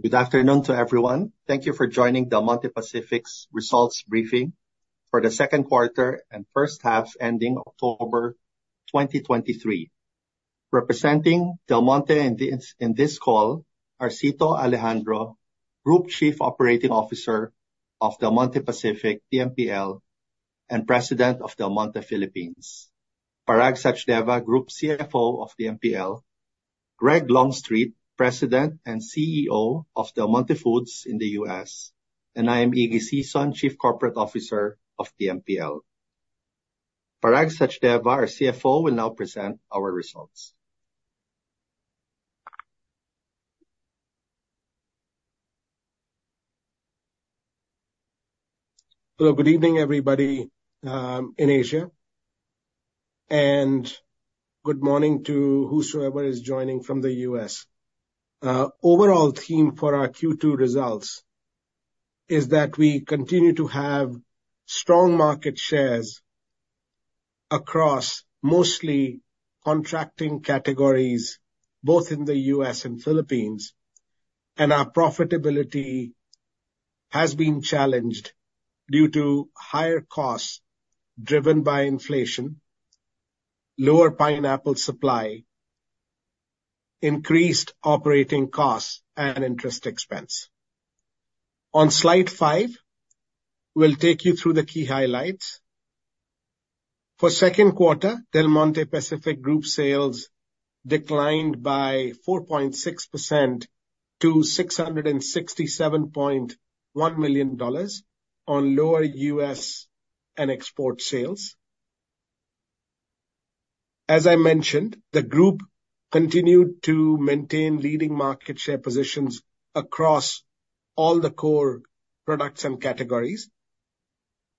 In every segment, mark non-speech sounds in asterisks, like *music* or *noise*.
Good afternoon to everyone. Thank you for joining Del Monte Pacific's results briefing for the Q2 and H1, ending October 2023. Representing Del Monte in this call are Cito Alejandro, Group COO of Del Monte Pacific, DMPL, and President of Del Monte Philippines. Parag Sachdeva, Group CFO of DMPL, Greg Longstreet, President and CEO of Del Monte Foods in the US, and I am Iggy Sison, CCO of DMPL. Parag Sachdeva, our CFO, will now present our results. Hello, good evening, everybody, in Asia, and good morning to whosoever is joining from the US Overall theme for our Q2 results is that we continue to have strong market shares across mostly contracting categories, both in the US and Philippines, and our profitability has been challenged due to higher costs driven by inflation, lower pineapple supply, increased operating costs, and interest expense. On slide five, we'll take you through the key highlights. For Q2, Del Monte Pacific Group sales declined by 4.6% to $667.1 million on lower US and export sales. As I mentioned, the group continued to maintain leading market share positions across all the core products and categories.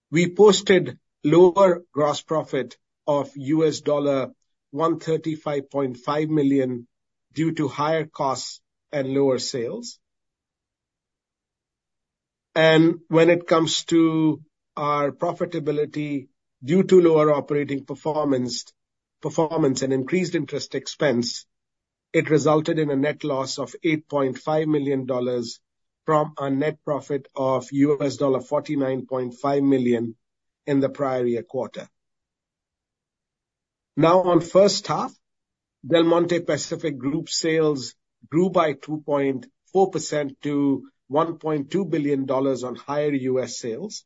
We posted lower gross profit of $135.5 million due to higher costs and lower sales. And when it comes to our profitability, due to lower operating performance and increased interest expense, it resulted in a net loss of $8.5 million from a net profit of $49.5 million in the prior year quarter. Now, on H1, Del Monte Pacific Group sales grew by 2.4% to $1.2 billion on higher US sales.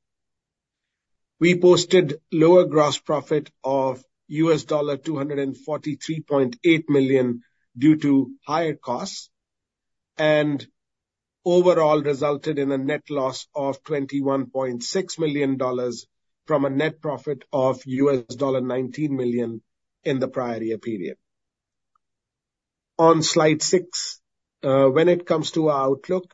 We posted lower gross profit of $243.8 million due to higher costs, and overall resulted in a net loss of $21.6 million from a net profit of $19 million in the prior year period. On slide six, when it comes to our outlook,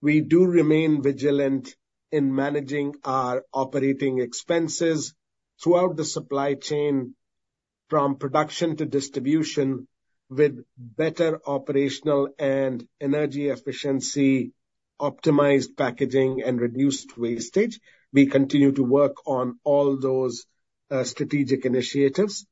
we do remain vigilant in managing our operating expenses throughout the supply chain, from production to distribution, with better operational and energy efficiency, optimized packaging, and reduced wastage. We continue to work on all those, strategic initiatives.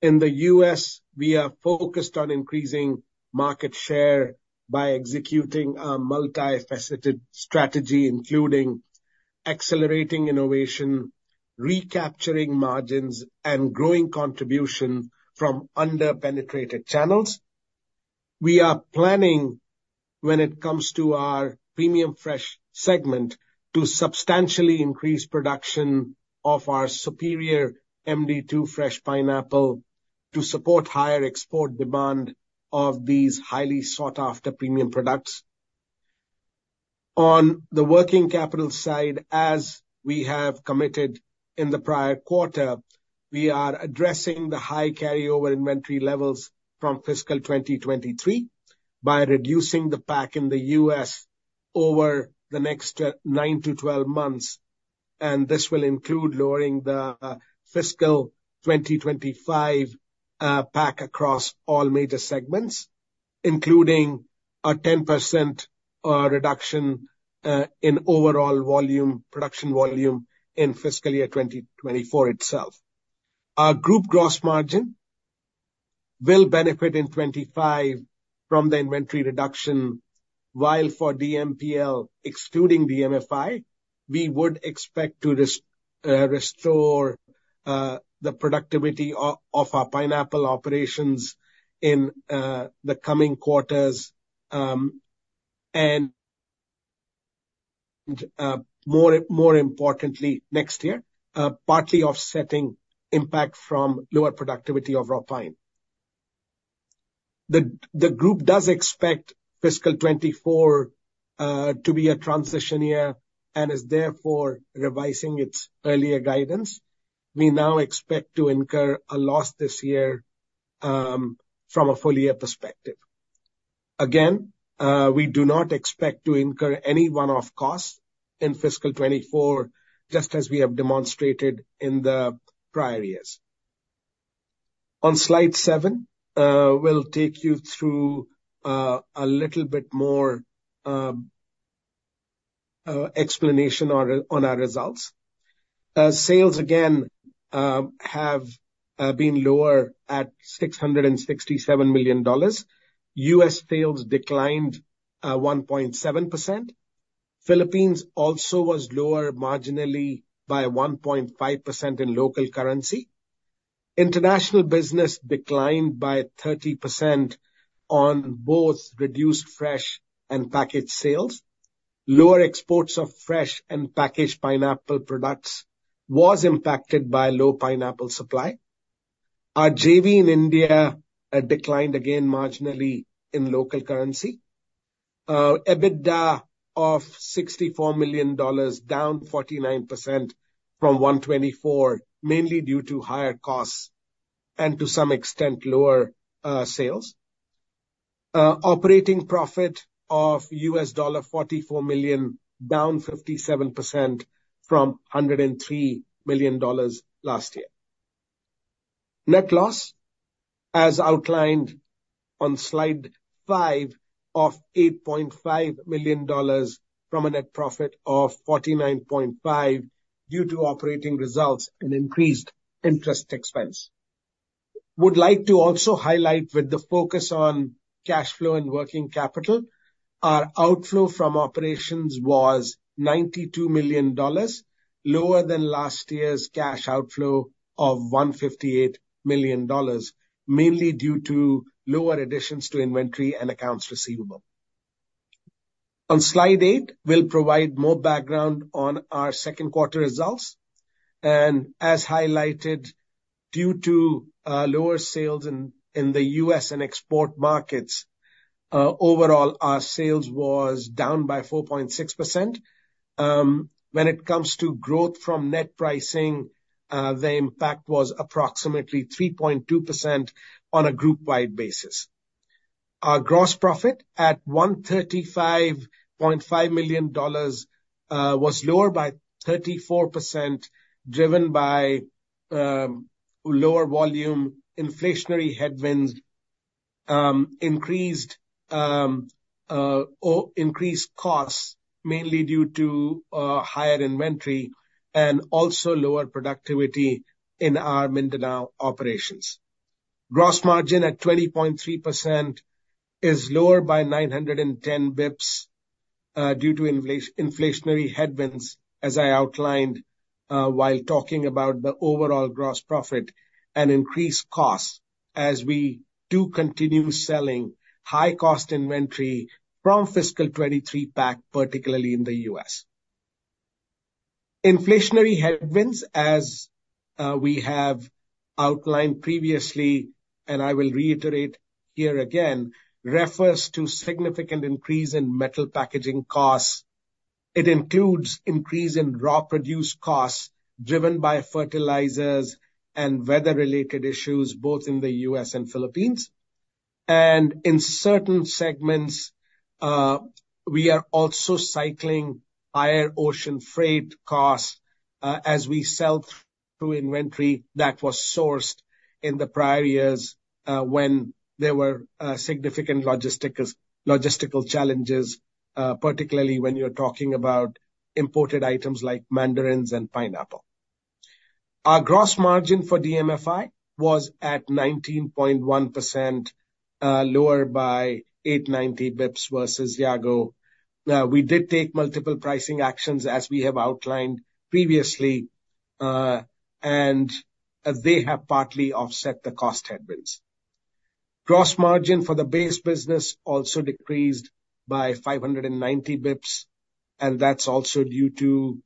In the US, we are focused on increasing market share by executing a multifaceted strategy, including accelerating innovation, recapturing margins, and growing contribution from under-penetrated channels. We are planning, when it comes to our premium fresh segment, to substantially increase production of our superior MD2 fresh pineapple to support higher export demand of these highly sought-after premium products. On the working capital side, as we have committed in the prior quarter, we are addressing the high carryover inventory levels from fiscal 2023 by reducing the pack in the US over the next 9-12 months, and this will include lowering the fiscal 2025 pack across all major segments, including a 10% reduction in overall volume, production volume in fiscal year 2024 itself. Our group gross margin will benefit in 2025 from the inventory reduction, while for DMPL, excluding DMFI, we would expect to restore the productivity of our pineapple operations in the coming quarters, and more importantly, next year, partly offsetting impact from lower productivity of raw pine. The group does expect fiscal 2024 to be a transition year and is therefore revising its earlier guidance. We now expect to incur a loss this year from a full year perspective. Again, we do not expect to incur any one-off costs in fiscal 2024, just as we have demonstrated in the prior years. On slide seven, we'll take you through a little bit more explanation on our results. Sales again have been lower at $667 million. US sales declined 1.7%. Philippines also was lower marginally by 1.5% in local currency. International business declined by 30% on both reduced fresh and packaged sales. Lower exports of fresh and packaged pineapple products was impacted by low pineapple supply. Our JV in India declined again marginally in local currency. EBITDA of $64 million, down 49% from $124 million, mainly due to higher costs and to some extent, lower sales. Operating profit of $44 million, down 57% from $103 million last year. Net loss, as outlined on slide 5, of $8.5 million from a net profit of $49.5 million, due to operating results and increased interest expense. Would like to also highlight with the focus on cash flow and working capital, our outflow from operations was $92 million, lower than last year's cash outflow of $158 million, mainly due to lower additions to inventory and accounts receivable. On slide eight, we'll provide more background on our Q2 results. As highlighted, due to lower sales in the US and export markets, overall, our sales was down by 4.6%. When it comes to growth from net pricing, the impact was approximately 3.2% on a group-wide basis. Our gross profit at $135.5 million was lower by 34%, driven by lower volume, inflationary headwinds, increased costs, mainly due to higher inventory and also lower productivity in our Mindanao operations. Gross margin at 20.3% is lower by 910 basis points, due to inflationary headwinds, as I outlined while talking about the overall gross profit and increased costs, as we do continue selling high cost inventory from fiscal 2023 pack, particularly in the US Inflationary headwinds, as we have outlined previously, and I will reiterate here again, refers to significant increase in metal packaging costs. It includes increase in raw produce costs, driven by fertilizers and weather-related issues, both in the US and Philippines. In certain segments, we are also cycling higher ocean freight costs, as we sell through inventory that was sourced in the prior years, when there were significant logistical challenges, particularly when you're talking about imported items like mandarins and pineapple. Our gross margin for DMFI was at 19.1%, lower by 890 BPS versus year-ago. We did take multiple pricing actions, as we have outlined previously, and they have partly offset the cost headwinds. Gross margin for the base business also decreased by 590 basis points, and that's also due to,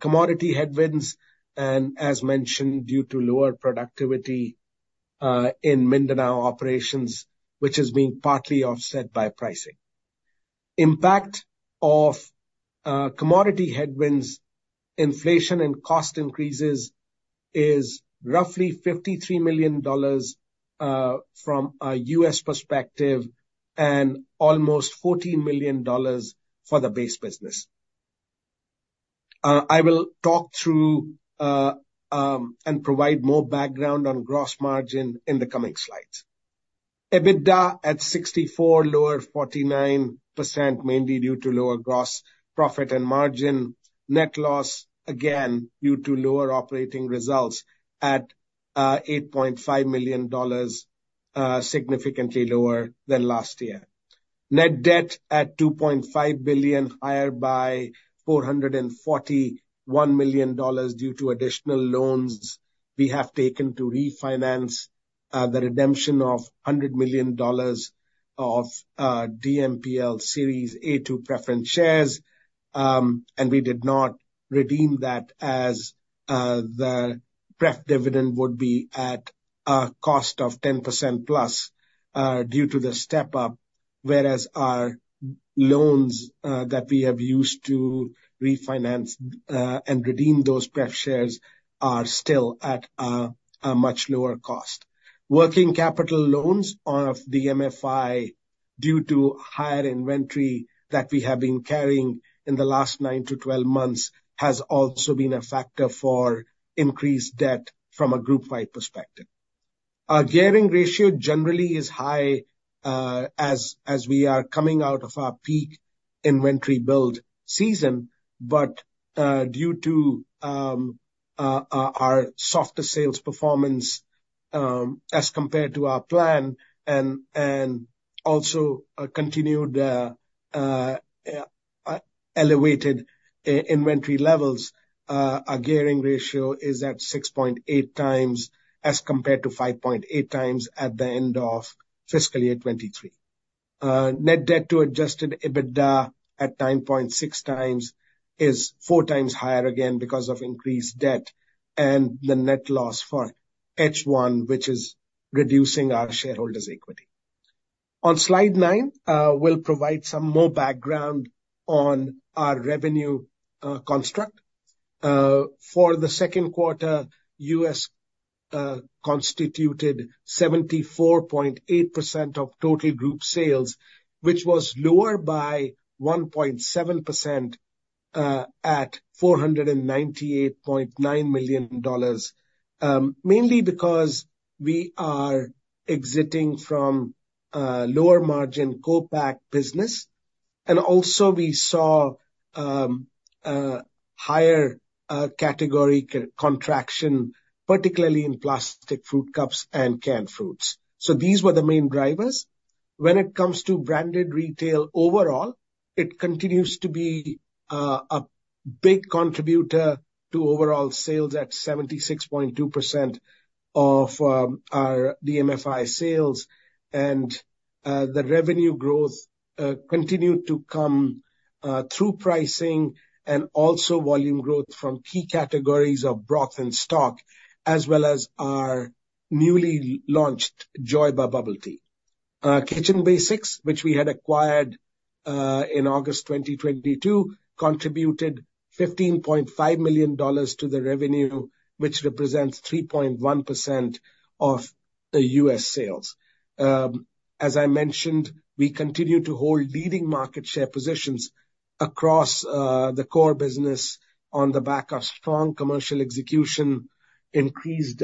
commodity headwinds and as mentioned, due to lower productivity, in Mindanao operations, which is being partly offset by pricing. Impact of, commodity headwinds, inflation, and cost increases is roughly $53 million, from a US perspective, and almost $14 million for the base business. I will talk through, and provide more background on gross margin in the coming slides. EBITDA at $64 million, lower 49%, mainly due to lower gross profit and margin. Net loss, again, due to lower operating results at, $8.5 million, significantly lower than last year. Net debt at $2.5 billion, higher by $441 million due to additional loans we have taken to refinance the redemption of $100 million of DMPL Series A-2 preference shares. And we did not redeem that as the pref dividend would be at a cost of 10% plus due to the step up, whereas our loans that we have used to refinance and redeem those pref shares are still at a much lower cost. Working capital loans of DMFI, due to higher inventory that we have been carrying in the last 9-12 months, has also been a factor for increased debt from a group-wide perspective. Our gearing ratio generally is high as we are coming out of our peak inventory build season. But, due to, our softer sales performance, as compared to our plan and also a continued, elevated inventory levels, our gearing ratio is at 6.8 times as compared to 5.8 times at the end of fiscal year 2023. Net debt to adjusted EBITDA at 9.6 times, is four times higher, again, because of increased debt and the net loss for H1, which is reducing our shareholders' equity. On slide nine, we'll provide some more background on our revenue construct. For the Q2, US constituted 74.8% of total group sales, which was lower by 1.7%, at $498.9 million. Mainly because we are exiting from a lower margin co-pack business, and also we saw a higher category contraction, particularly in plastic fruit cups and canned fruits. So these were the main drivers. When it comes to branded retail overall, it continues to be a big contributor to overall sales at 76.2% of our DMFI sales. The revenue growth continued to come through pricing and also volume growth from key categories of broth and stock, as well as our newly launched Joyba Bubble Tea. Kitchen Basics, which we had acquired in August 2022, contributed $15.5 million to the revenue, which represents 3.1% of the US sales. As I mentioned, we continue to hold leading market share positions across the core business on the back of strong commercial execution, increased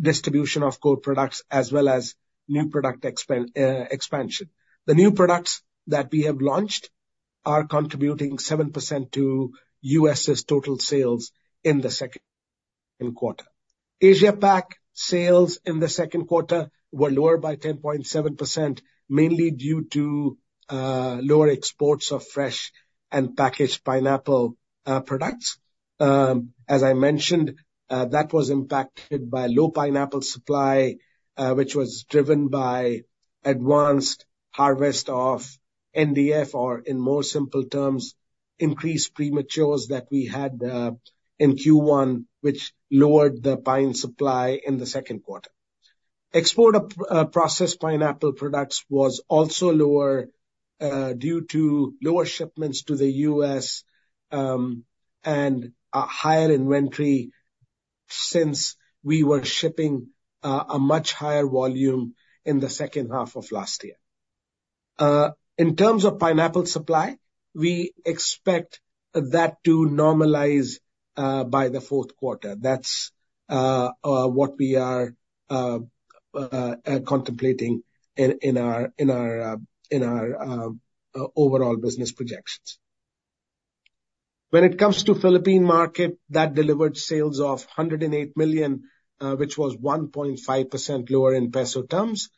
distribution of core products, as well as new product expansion. The new products that we have launched are contributing 7% to US's total sales in the Q2. Asia Pac sales in the Q2 were lower by 10.7%, mainly due to lower exports of fresh and packaged pineapple products. As I mentioned, that was impacted by low pineapple supply, which was driven by advanced harvest of NDF, or in more simple terms, increased prematures that we had in Q1, which lowered the pine supply in the Q2. Exports of processed pineapple products was also lower due to lower shipments to the US and a higher inventory since we were shipping a much higher volume in the H2 of last year. In terms of pineapple supply, we expect that to normalize by the Q4. That's what we are contemplating in our overall business projections. When it comes to the Philippine market, that delivered sales of 108 million, which was 1.5% lower in peso terms.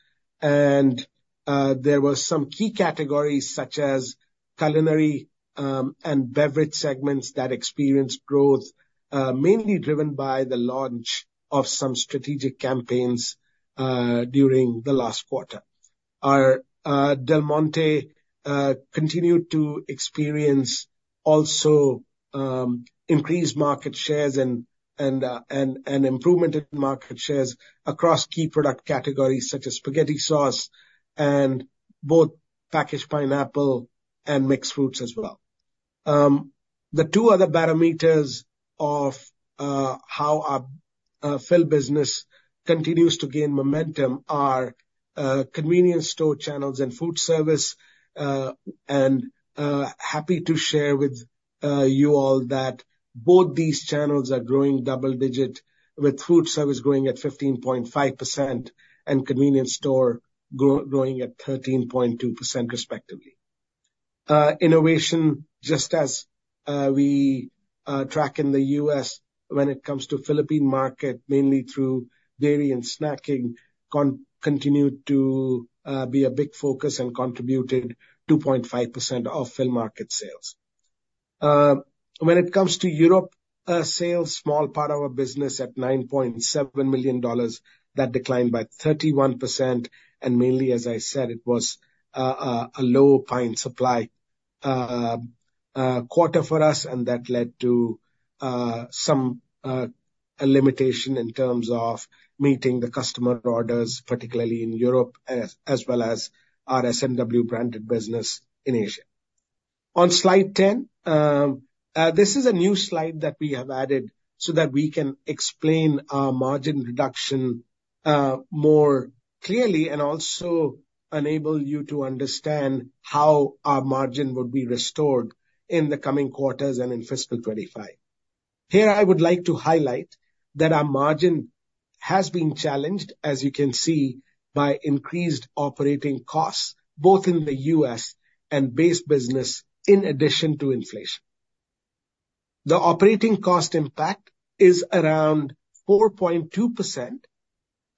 There were some key categories, such as culinary and beverage segments, that experienced growth, mainly driven by the launch of some strategic campaigns during the last quarter. Our Del Monte continued to experience also increased market shares and improvement in market shares across key product categories, such as spaghetti sauce and both packaged pineapple and mixed fruits as well. The two other barometers of how our Phil business continues to gain momentum are convenience store channels and food service. And happy to share with you all that both these channels are growing double-digit, with food service growing at 15.5% and convenience store growing at 13.2%, respectively. Innovation, just as we track in the US when it comes to Philippine market, mainly through dairy and snacking, continued to be a big focus and contributed 2.5% of Phil market sales. When it comes to Europe, sales, small part of our business at $9.7 million, that declined by 31%. Mainly, as I said, it was a low pineapple supply quarter for us, and that led to some limitation in terms of meeting the customer orders, particularly in Europe, as well as our S&W branded business in Asia. On slide 10, this is a new slide that we have added so that we can explain our margin reduction more clearly, and also enable you to understand how our margin would be restored in the coming quarters and in fiscal 2025. Here, I would like to highlight that our margin has been challenged, as you can see, by increased operating costs, both in the US and base business, in addition to inflation. The operating cost impact is around 4.2%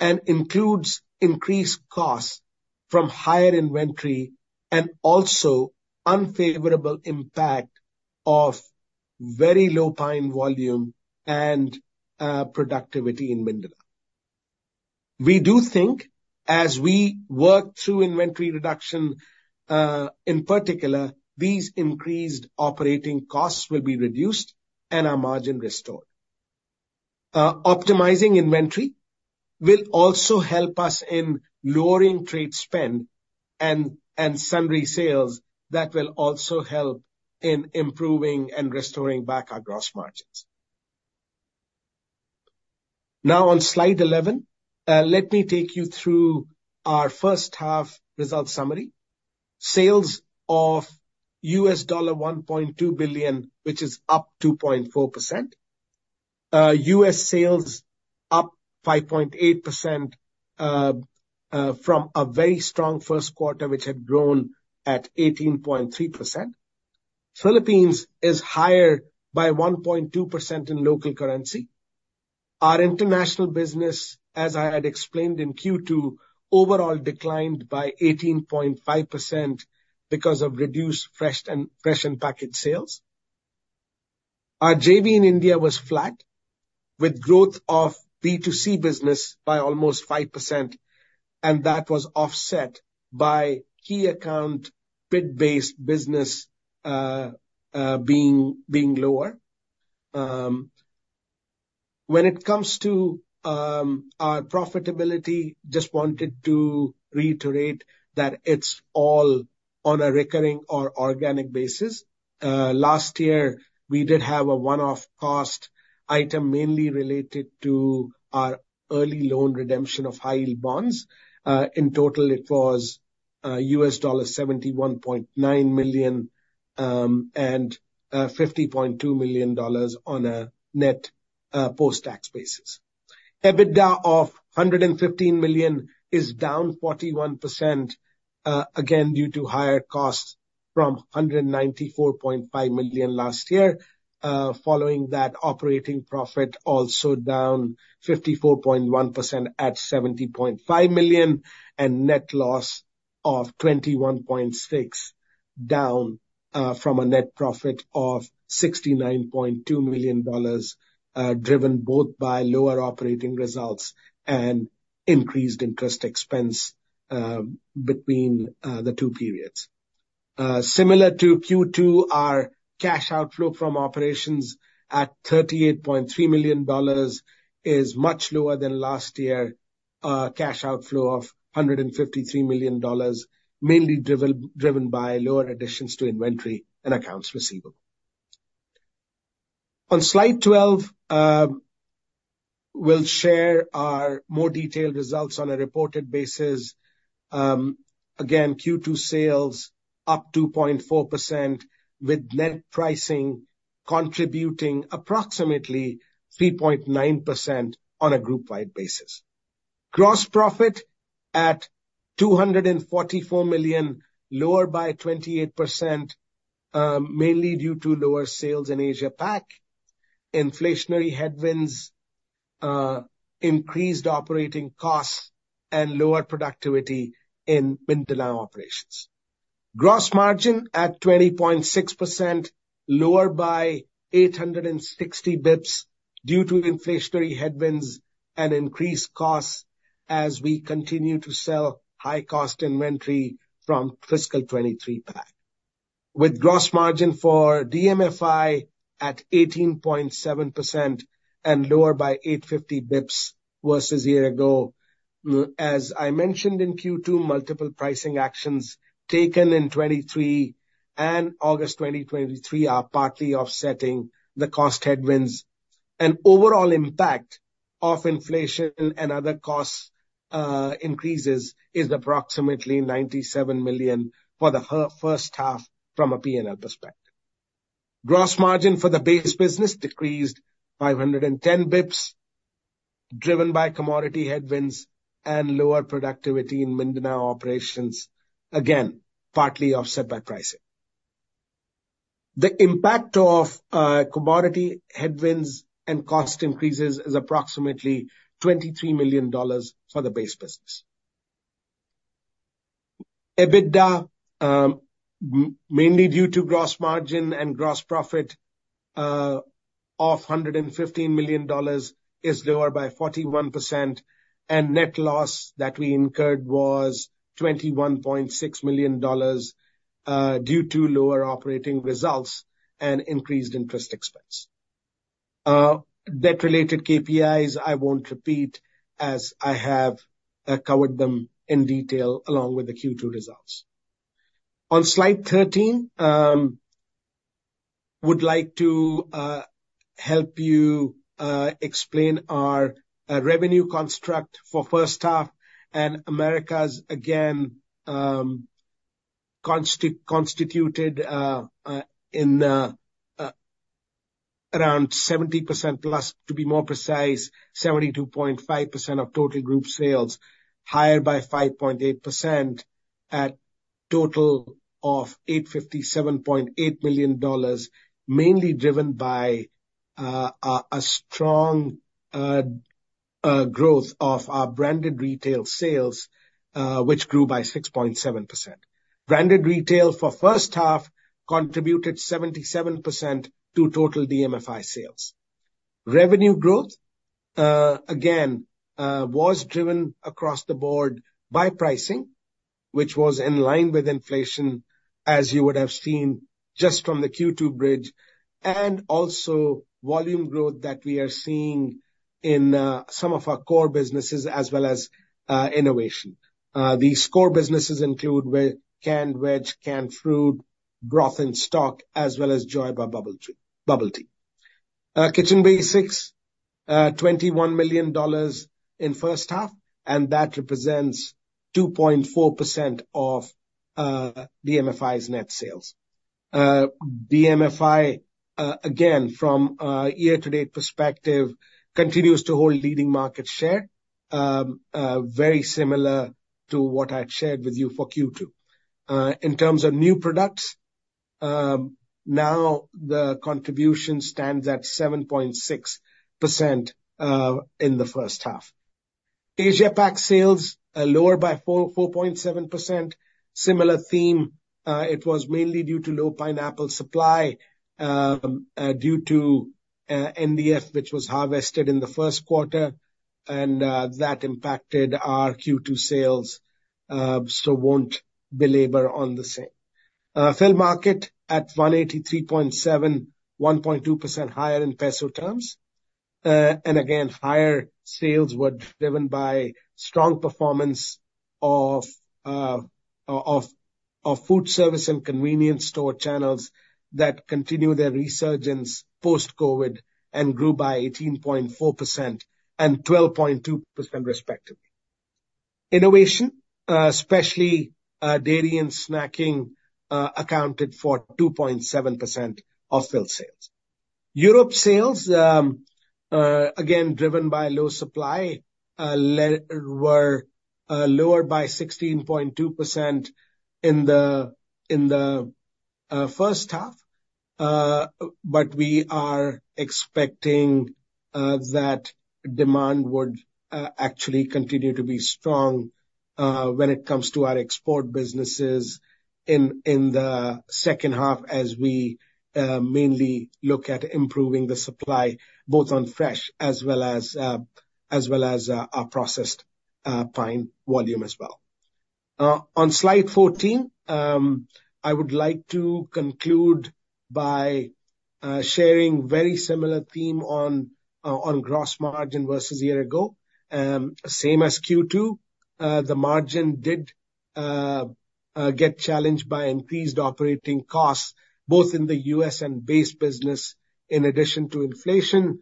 and includes increased costs from higher inventory and also unfavorable impact of very low pine volume and productivity in Mindanao. We do think as we work through inventory reduction, in particular, these increased operating costs will be reduced and our margin restored. Optimizing inventory will also help us in lowering trade spend and sundry sales that will also help in improving and restoring back our gross margins. Now, on slide 11, let me take you through our H1 result summary. Sales of US dollar 1.2 billion, which is up 2.4%. US sales up 5.8% from a very strong Q1, which had grown at 18.3%. Philippines is higher by 1.2% in local currency. Our international business, as I had explained in Q2, overall declined by 18.5% because of reduced fresh and packaged sales. Our JV in India was flat, with growth of B2C business by almost 5%, and that was offset by key account bid-based business being lower. When it comes to our profitability, just wanted to reiterate that it's all on a recurring or organic basis. Last year, we did have a one-off cost item, mainly related to our early loan redemption of high-yield bonds. In total, it was $71.9 million, and $50.2 million on a net post-tax basis. EBITDA of $115 million is down 41%, again, due to higher costs from $194.5 million last year. Following that, operating profit also down 54.1% at $70.5 million, and net loss of $21.6 million, down from a net profit of $69.2 million, driven both by lower operating results and increased interest expense between the two periods. Similar to Q2, our cash outflow from operations at $38.3 million is much lower than last year, cash outflow of $153 million, mainly driven by lower additions to inventory and accounts receivable. On slide 12, we'll share our more detailed results on a reported basis. Again, Q2 sales up 2.4%, with net pricing contributing approximately 3.9% on a group-wide basis. Gross profit at $244 million, lower by 28%, mainly due to lower sales in Asia Pac, inflationary headwinds, increased operating costs, and lower productivity in Mindanao operations. Gross margin at 20.6%, lower by 860 basis points due to inflationary headwinds and increased costs as we continue to sell high-cost inventory from fiscal 2023 pack. With gross margin for DMFI at 18.7% and lower by 850 basis points versus year-ago. As I mentioned in Q2, multiple pricing actions taken in 2023 and August 2023 are partly offsetting the cost headwinds. Overall impact of inflation and other costs increases is approximately $97 million for the H1 from a P&L perspective. Gross margin for the base business decreased 510 basis points, driven by commodity headwinds and lower productivity in Mindanao operations, again, partly offset by pricing. The impact of commodity headwinds and cost increases is approximately $23 million for the base business. EBITDA mainly due to gross margin and gross profit of $115 million is lower by 41%, and net loss that we incurred was $21.6 million due to lower operating results and increased interest expense. Debt-related KPIs I won't repeat, as I have covered them in detail, along with the Q2 results. On slide 13, would like to help you explain our revenue construct for H1 and Americas again... Constituted around 70% plus, to be more precise, 72.5% of total group sales, higher by 5.8% at a total of $857.8 million, mainly driven by a strong growth of our branded retail sales, which grew by 6.7%. Branded retail for H1 contributed 77% to total DMFI sales. Revenue growth, again, was driven across the board by pricing, which was in line with inflation, as you would have seen just from the Q2 bridge, and also volume growth that we are seeing in some of our core businesses as well as innovation. These core businesses include with canned veg, canned fruit, broth and stock, as well as Joyba Bubble Tea, Bubble Tea. Kitchen Basics, $21 million in H1, and that represents 2.4% of DMFI's net sales. DMFI, again, from a year-to-date perspective, continues to hold leading market share, very similar to what I had shared with you for Q2. In terms of new products, now the contribution stands at 7.6% in the H1. Asia PAC sales are lower by 4.7%. Similar theme, it was mainly due to low pineapple supply due to NDF, which was harvested in the Q1, and that impacted our Q2 sales, so won't belabor on the same. Phil market at 183.7, 1.2% higher in peso terms. And again, higher sales were driven by strong performance of food service and convenience store channels that continue their resurgence post-COVID and grew by 18.4% and 12.2%, respectively. Innovation, especially dairy and snacking, accounted for 2.7% of fill sales. Europe sales, again, driven by low supply, were lower by 16.2% in the H1. But we are expecting that demand would actually continue to be strong when it comes to our export businesses in the H2, as we mainly look at improving the supply, both on fresh as well as our processed pine volume as well. On slide 14, I would like to conclude by sharing very similar theme on gross margin versus year-ago. Same as Q2, the margin did get challenged by increased operating costs, both in the US and base business, in addition to inflation.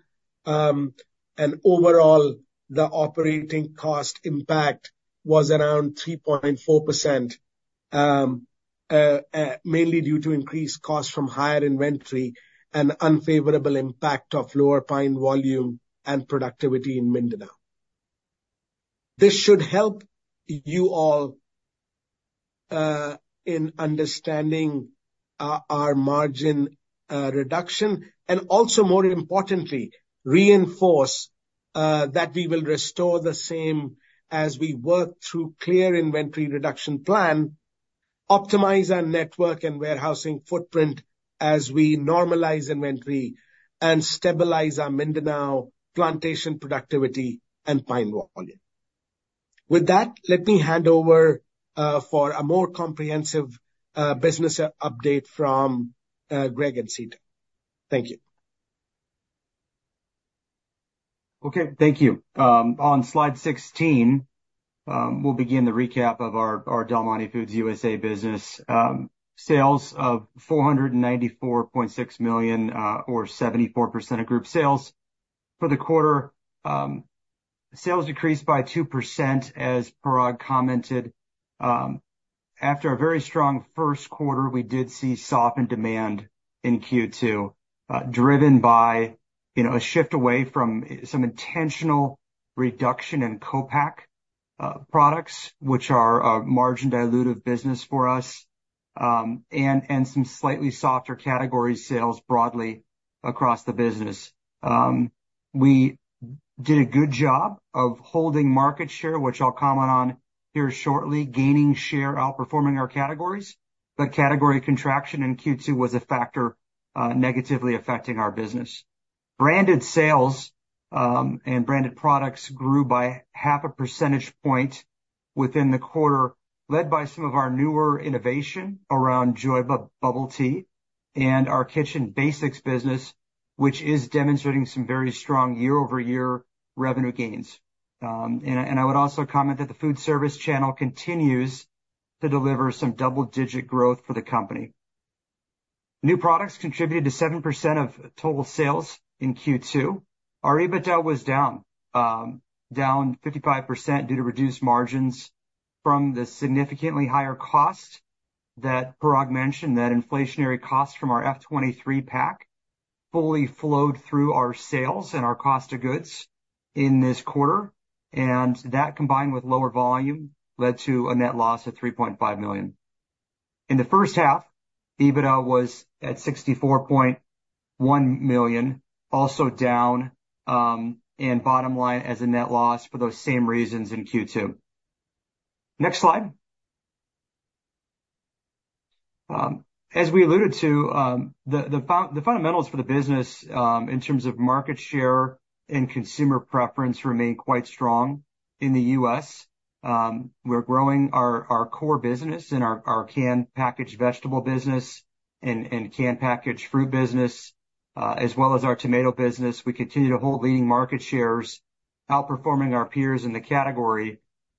Overall, the operating cost impact was around 3.4%, mainly due to increased costs from higher inventory and unfavorable impact of lower pine volume and productivity in Mindanao. This should help you all in understanding our margin reduction, and also, more importantly, reinforce that we will restore the same as we work through clear inventory reduction plan, optimize our network and warehousing footprint as we normalize inventory, and stabilize our Mindanao plantation productivity and pine volume. With that, let me hand over for a more comprehensive business update from Greg and Cito. Thank you. Okay, thank you. On slide 16, we'll begin the recap of our Del Monte Foods USA business. Sales of $494.6 million, or 74% of group sales. For the quarter, sales decreased by 2%, as Parag commented. After a very strong Q1, we did see softened demand in Q2, driven by, you know, a shift away from some intentional reduction in co-pack products, which are a margin dilutive business for us, and some slightly softer category sales broadly across the business. We did a good job of holding market share, which I'll comment on here shortly, gaining share, outperforming our categories, but category contraction in Q2 was a factor, negatively affecting our business. Branded sales, and branded products grew by half a percentage point within the quarter, led by some of our newer innovation around Joyba Bubble Tea and our Kitchen Basics business, which is demonstrating some very strong year-over-year revenue gains. And I would also comment that the food service channel continues to deliver some double-digit growth for the company. New products contributed to 7% of total sales in Q2. Our EBITDA was down 55% due to reduced margins from the significantly higher cost that Parag mentioned, that inflationary cost from our FY '23 pack fully flowed through our sales and our cost of goods in this quarter, and that, combined with lower volume, led to a net loss of $3.5 million. In the H1, EBITDA was at $64.1 million, also down, and bottom line, as a net loss for those same reasons in Q2. Next slide. As we alluded to, the fundamentals for the business, in terms of market share and consumer preference remain quite strong in the US We're growing our core business and our canned packaged vegetable business and canned packaged fruit business, as well as our tomato business. We continue to hold leading market shares, outperforming our peers in the category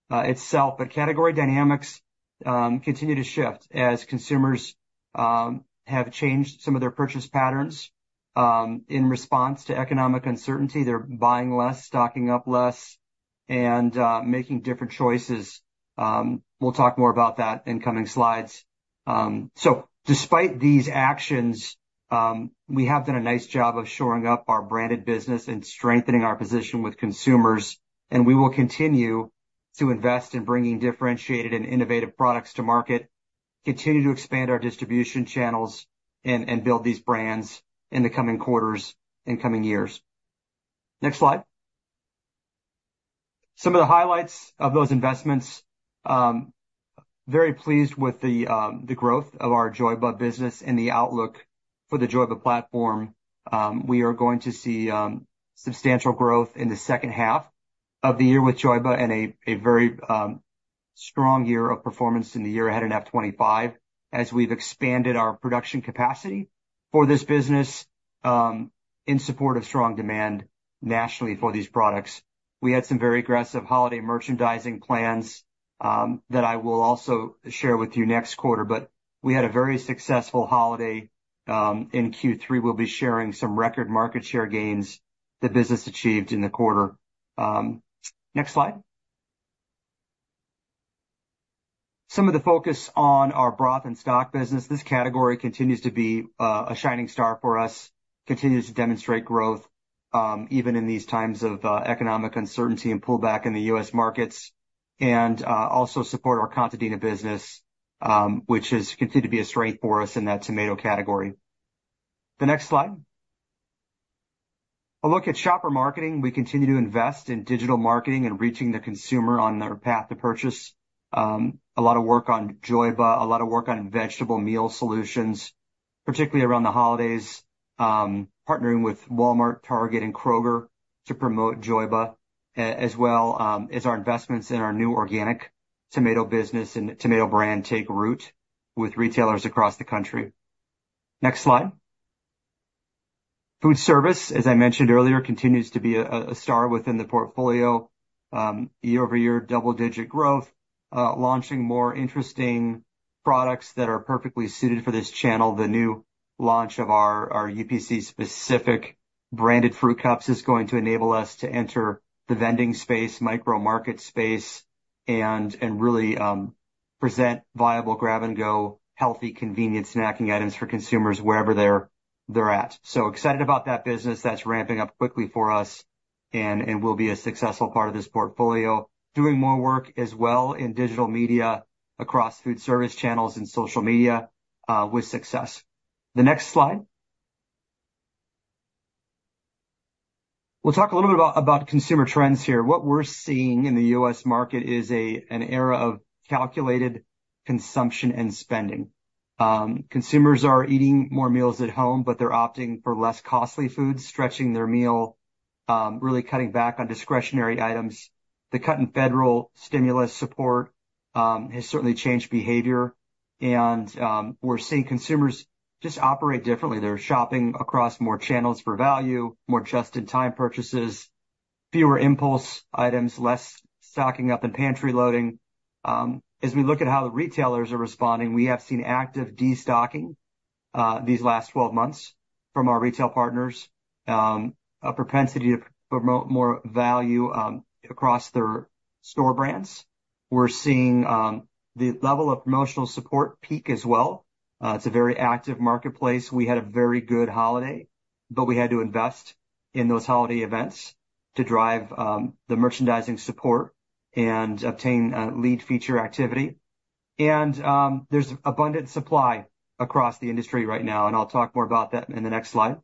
itself. But category dynamics continue to shift as consumers have changed some of their purchase patterns, in response to economic uncertainty. They're buying less, stocking up less, and making different choices. We'll talk more about that in coming slides. So despite these actions, we have done a nice job of shoring up our branded business and strengthening our position with consumers, and we will continue to invest in bringing differentiated and innovative products to market, continue to expand our distribution channels and, and build these brands in the coming quarters and coming years. Next slide. Some of the highlights of those investments, very pleased with the growth of our Joyba business and the outlook for the Joyba platform. We are going to see substantial growth in the H2 of the year with Joyba and a very strong year of performance in the year ahead in FY 2025, as we've expanded our production capacity for this business in support of strong demand nationally for these products. We had some very aggressive holiday merchandising plans, that I will also share with you next quarter, but we had a very successful holiday. In Q3, we'll be sharing some record market share gains the business achieved in the quarter. Next slide. Some of the focus on our broth and stock business. This category continues to be, a shining star for us, continues to demonstrate growth, even in these times of, economic uncertainty and pullback in the US markets, and, also support our Contadina business, which has continued to be a strength for us in that tomato category. The next slide. A look at shopper marketing. We continue to invest in digital marketing and reaching the consumer on their path to purchase. A lot of work on Joyba, a lot of work on vegetable meal solutions, particularly around the holidays, partnering with Walmart, Target, and Kroger to promote Joyba, as well, as our investments in our new organic tomato business and tomato brand Take Root with retailers across the country. Next slide. Food Service, as I mentioned earlier, continues to be a star within the portfolio. Year-over-year, double-digit growth, launching more interesting products that are perfectly suited for this channel. The new launch of our UPC-specific branded fruit cups is going to enable us to enter the vending space, micro-market space, and really present viable grab-and-go, healthy, convenient snacking items for consumers wherever they're at. So excited about that business. That's ramping up quickly for us and will be a successful part of this portfolio. Doing more work as well in digital media, across food service channels and social media with success. The next slide. We'll talk a little bit about consumer trends here. What we're seeing in the US market is an era of calculated consumption and spending. Consumers are eating more meals at home, but they're opting for less costly foods, stretching their meal, really cutting back on discretionary items. The cut in federal stimulus support has certainly changed behavior, and we're seeing consumers just operate differently. They're shopping across more channels for value, more just-in-time purchases, fewer impulse items, less stocking up and pantry loading. As we look at how the retailers are responding, we have seen active destocking these last 12 months from our retail partners, a propensity to promote more value across their store brands. We're seeing the level of promotional support peak as well. It's a very active marketplace. We had a very good holiday, but we had to invest in those holiday events to drive the merchandising support and obtain lead feature activity. And there's abundant supply across the industry right now, and I'll talk more about that in the next slide.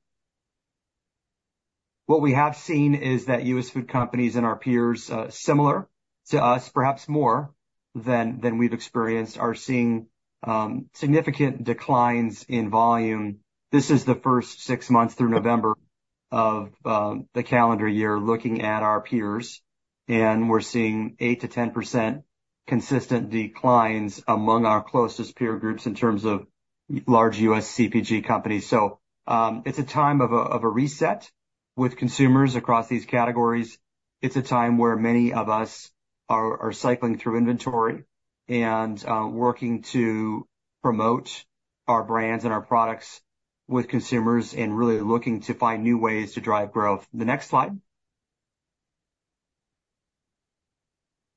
What we have seen is that US food companies and our peers similar to us, perhaps more than we've experienced, are seeing significant declines in volume. This is the first six months through November of the calendar year, looking at our peers, and we're seeing 8-10% consistent declines among our closest peer groups in terms of large US CPG companies. So it's a time of a reset with consumers across these categories. It's a time where many of us are cycling through inventory... and working to promote our brands and our products with consumers, and really looking to find new ways to drive growth. The next slide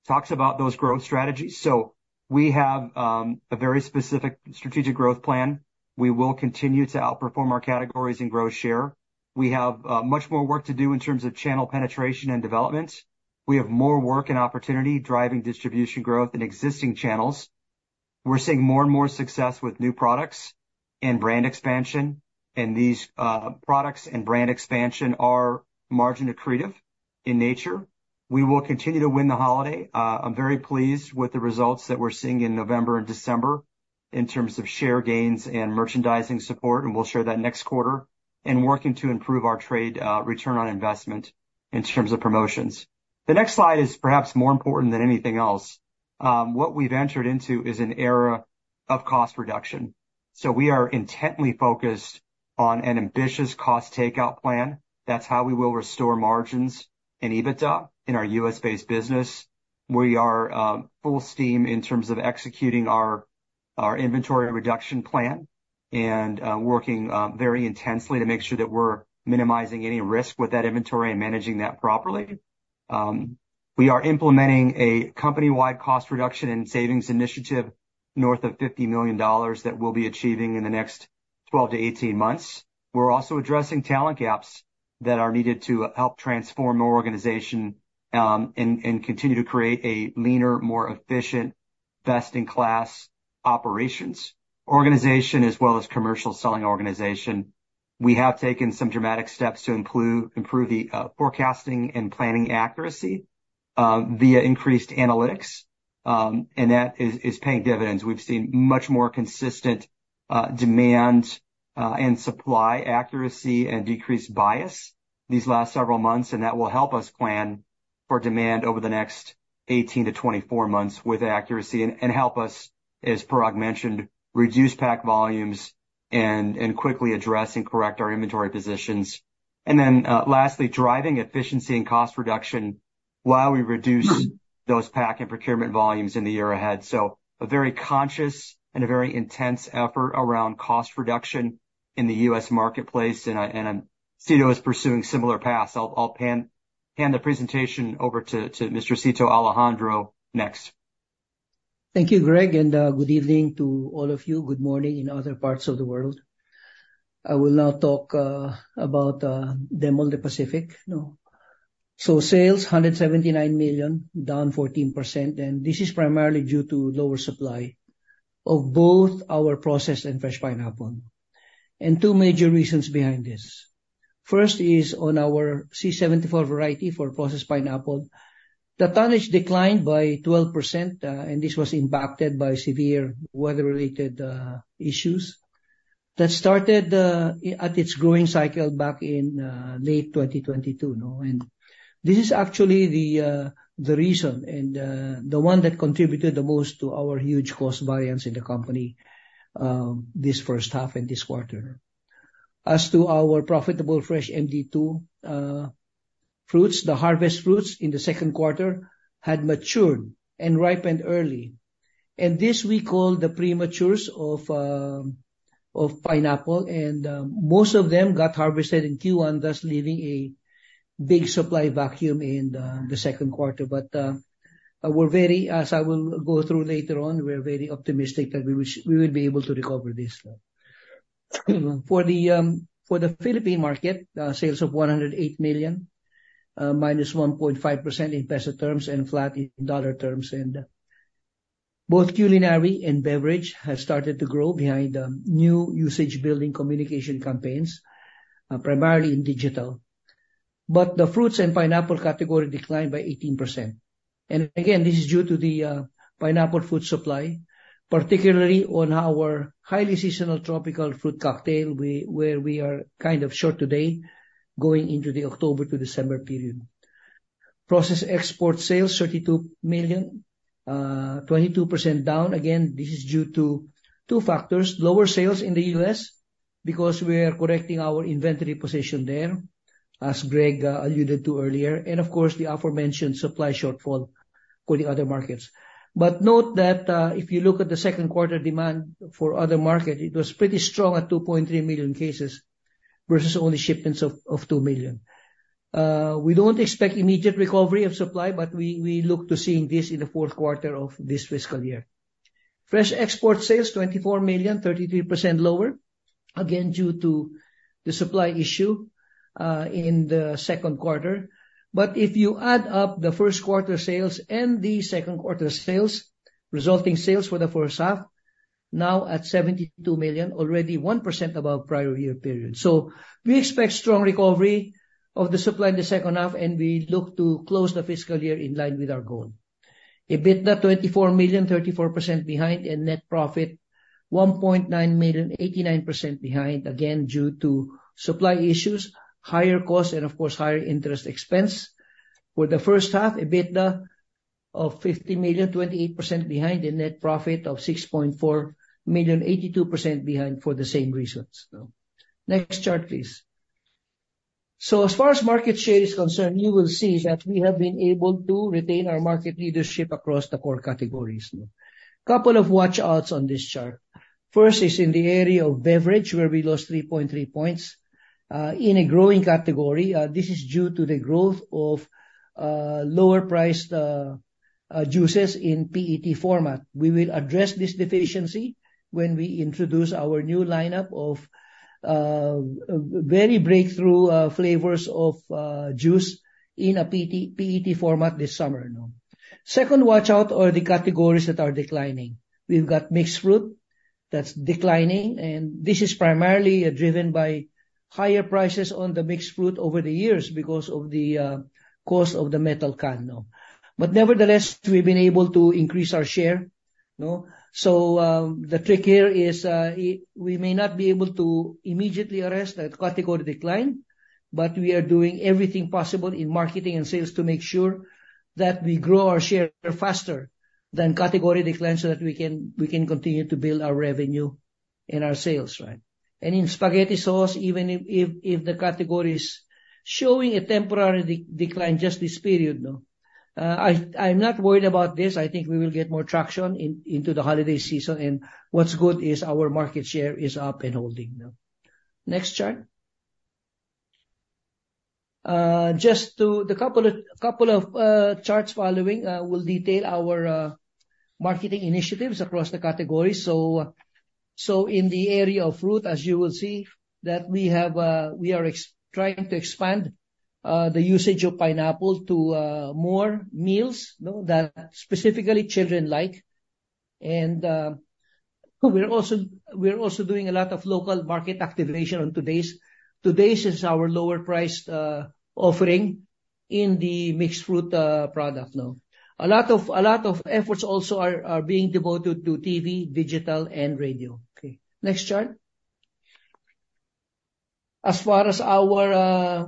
talks about those growth strategies. So we have a very specific strategic growth plan. We will continue to outperform our categories and grow share. We have much more work to do in terms of channel penetration and development. We have more work and opportunity driving distribution growth in existing channels. We're seeing more and more success with new products and brand expansion, and these products and brand expansion are margin accretive in nature. We will continue to win the holiday. I'm very pleased with the results that we're seeing in November and December in terms of share gains and merchandising support, and we'll share that next quarter, and working to improve our trade return on investment in terms of promotions. The next slide is perhaps more important than anything else. What we've entered into is an era of cost reduction, so we are intently focused on an ambitious cost takeout plan. That's how we will restore margins and EBITDA in our US-based business. We are full steam in terms of executing our inventory reduction plan and working very intensely to make sure that we're minimizing any risk with that inventory and managing that properly. We are implementing a company-wide cost reduction and savings initiative, north of $50 million that we'll be achieving in the next 12-18 months. We're also addressing talent gaps that are needed to help transform our organization, and continue to create a leaner, more efficient, best-in-class operations organization, as well as commercial selling organization. We have taken some dramatic steps to improve the forecasting and planning accuracy via increased analytics, and that is paying dividends. We've seen much more consistent demand and supply accuracy and decreased bias these last several months, and that will help us plan for demand over the next 18-24 months with accuracy and help us, as Parag mentioned, reduce pack volumes and quickly address and correct our inventory positions. Then, lastly, driving efficiency and cost reduction while we reduce those pack and procurement volumes in the year ahead. So a very conscious and a very intense effort around cost reduction in the US marketplace, and Cito is pursuing similar paths. I'll hand the presentation over to Mr. Cito Alejandro next. Thank you, Greg, and good evening to all of you. Good morning in other parts of the world. I will now talk about Del Monte Pacific. So sales, $179 million, down 14%, and this is primarily due to lower supply of both our processed and fresh pineapple. And two major reasons behind this: First is on our C74 variety for processed pineapple. The tonnage declined by 12%, and this was impacted by severe weather-related issues that started at its growing cycle back in late 2022. And this is actually the reason, and the one that contributed the most to our huge cost variance in the company, this H1 and this quarter. As to our profitable fresh MD2 fruits, the harvest fruits in the Q2 had matured and ripened early, and this we call the prematures of pineapple, and most of them got harvested in Q1, thus leaving a big supply vacuum in the Q2. But we're very... As I will go through later on, we're very optimistic that we will be able to recover this. For the Philippine market, sales of 108 million, minus 1.5% in peso terms and flat in dollar terms, and both culinary and beverage have started to grow behind the new usage building communication campaigns, primarily in digital. But the fruits and pineapple category declined by 18%. And again, this is due to the pineapple fruit supply, particularly on our highly seasonal tropical fruit cocktail, where we are kind of short today, going into the October to December period. Processed export sales, $32 million, 22% down. Again, this is due to two factors: Lower sales in the US because we are correcting our inventory position there, as Greg alluded to earlier, and of course, the aforementioned supply shortfall for the other markets. But note that if you look at the Q2 demand for other market, it was pretty strong at 2.3 million cases versus only shipments of 2 million. We don't expect immediate recovery of supply, but we look to seeing this in the Q4 of this fiscal year. Fresh export sales, $24 million, 33% lower, again, due to the supply issue in the Q2. But if you add up the Q1 sales and the Q2 sales, resulting sales for the H1, now at $72 million, already 1% above prior year period. So we expect strong recovery of the supply in the H2, and we look to close the fiscal year in line with our goal. EBITDA, $24 million, 34% behind, and net profit, $1.9 million, 89% behind, again, due to supply issues, higher costs, and of course, higher interest expense. For the H1, EBITDA of $50 million, 28% behind, and net profit of $6.4 million, 82% behind for the same reasons. So next chart, please. So as far as market share is concerned, you will see that we have been able to retain our market leadership across the core categories. Couple of watch outs on this chart. First is in the area of beverage, where we lost 3.3 points in a growing category. This is due to the growth of lower priced juices in PET format. We will address this deficiency when we introduce our new lineup of very breakthrough flavors of juice in a PET format this summer. Second watch out are the categories that are declining. We've got mixed fruit that's declining, and this is primarily driven by higher prices on the mixed fruit over the years because of the cost of the metal can. But nevertheless, we've been able to increase our share, no? So, the trick here is, we may not be able to immediately arrest that category decline, but we are doing everything possible in marketing and sales to make sure that we grow our share faster than category decline, so that we can, we can continue to build our revenue and our sales, right? And in spaghetti sauce, even if the category is showing a temporary decline just this period, no? I'm not worried about this. I think we will get more traction into the holiday season, and what's good is our market share is up and holding. Next chart. Just to the couple of charts following will detail our marketing initiatives across the category. So, in the area of fruit, as you will see, that we are trying to expand the usage of pineapple to more meals, no? That specifically children like. And, we're also doing a lot of local market activation on Today's. Today's is our lower priced offering in the mixed fruit product, no? A lot of efforts also are being devoted to TV, digital, and radio. Okay, next chart. As far as our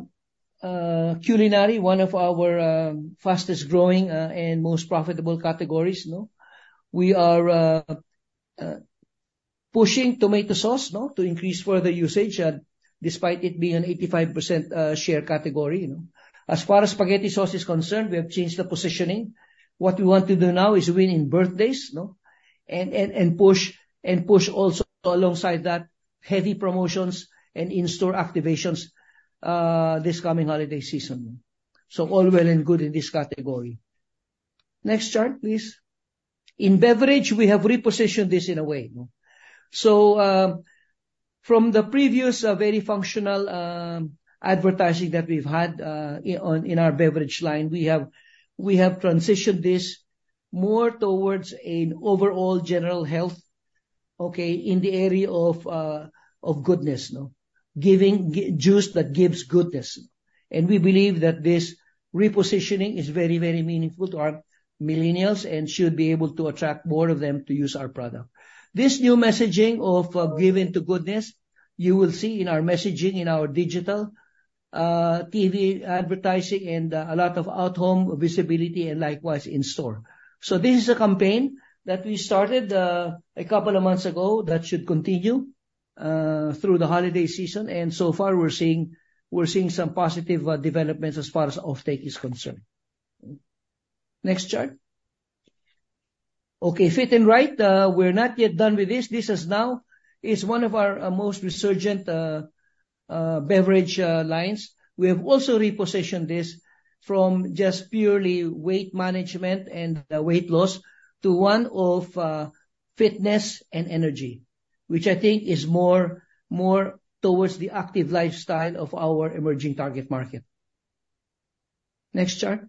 culinary, one of our fastest growing and most profitable categories, no? We are pushing tomato sauce, no? To increase further usage, and despite it being 85% share category, you know. As far as spaghetti sauce is concerned, we have changed the positioning. What we want to do now is win in birthdays, no? Push also alongside that, heavy promotions and in-store activations this coming holiday season. So all well and good in this category. Next chart, please. In beverage, we have repositioned this in a way, no? So, from the previous very functional advertising that we've had in our beverage line, we have transitioned this more towards an overall general health, okay, in the area of goodness, no? Giving juice that gives goodness. And we believe that this repositioning is very, very meaningful to our millennials and should be able to attract more of them to use our product. This new messaging of giving to goodness, you will see in our messaging, in our digital TV advertising and a lot of out-of-home visibility and likewise in store. So this is a campaign that we started a couple of months ago that should continue through the holiday season, and so far we're seeing some positive developments as far as offtake is concerned. Next chart. Okay, Fit 'n Right, we're not yet done with this. This is now one of our most resurgent beverage lines. We have also repositioned this from just purely weight management and weight loss to one of fitness and energy, which I think is more towards the active lifestyle of our emerging target market. Next chart.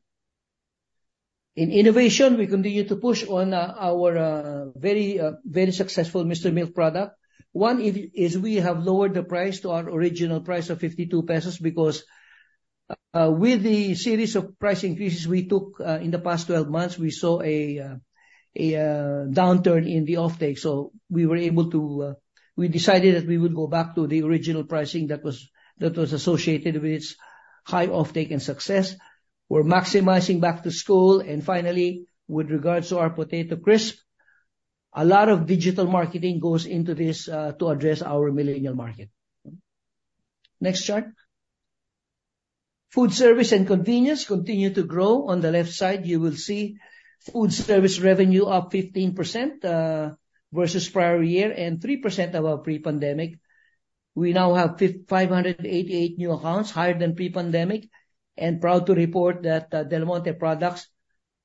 In innovation, we continue to push on our very successful Mr. Milk product. One is we have lowered the price to our original price of 52 pesos, because with the series of price increases we took in the past 12 months, we saw a downturn in the offtake. So we were able to. We decided that we would go back to the original pricing that was associated with its high offtake and success. We're maximizing back to school, and finally, with regards to our potato crisp, a lot of digital marketing goes into this to address our millennial market. Next chart. Food service and convenience continue to grow. On the left side, you will see food service revenue up 15%, versus prior year, and 3% above pre-pandemic. We now have five hundred and eighty-eight new accounts, higher than pre-pandemic, and proud to report that Del Monte products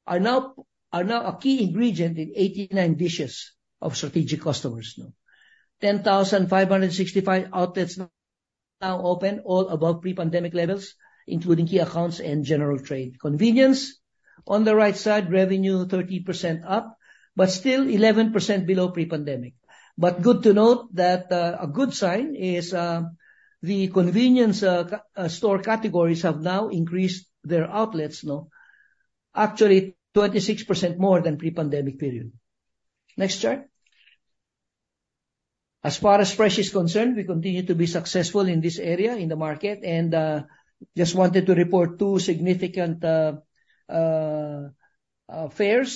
are now a key ingredient in eighty-nine dishes of strategic customers, no? Ten thousand five hundred and sixty-five outlets now open, all above pre-pandemic levels, including key accounts and general trade. Convenience, on the right side, revenue 30% up, but still 11% below pre-pandemic. But good to note that a good sign is the convenience store categories have now increased their outlets, no? Actually, 26% more than pre-pandemic period. Next chart. As far as fresh is concerned, we continue to be successful in this area, in the market, and just wanted to report two significant fairs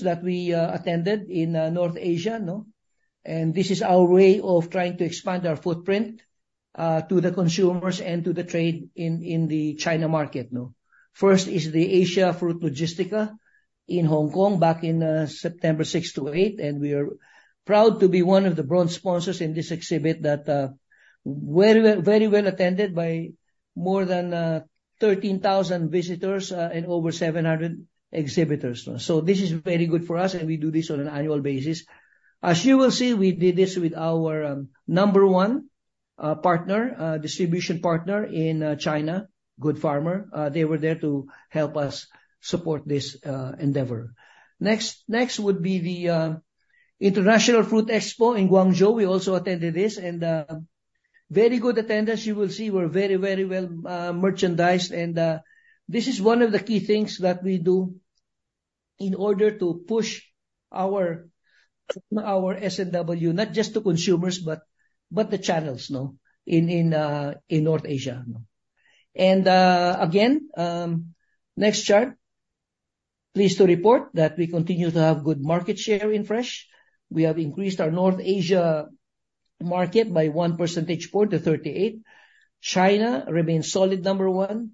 that we attended in North Asia, no? This is our way of trying to expand our footprint to the consumers and to the trade in the China market, no? First is the Asia Fruit Logistica in Hong Kong, back in September sixth to eighth, and we are proud to be one of the bronze sponsors in this exhibit that very well, very well attended by more than 13,000 visitors and over 700 exhibitors. So this is very good for us, and we do this on an annual basis. As you will see, we did this with our number one distribution partner in China, Good Farmer. They were there to help us support this endeavor. Next would be the International Fruit Expo in Guangzhou. We also attended this, and very good attendance. You will see we're very, very well merchandised, and this is one of the key things that we do in order to push our S&W, not just to consumers, but the channels, no? In North Asia. And again, next chart. Pleased to report that we continue to have good market share in fresh. We have increased our North Asia market by 1 percentage point to 38. China remains solid number one.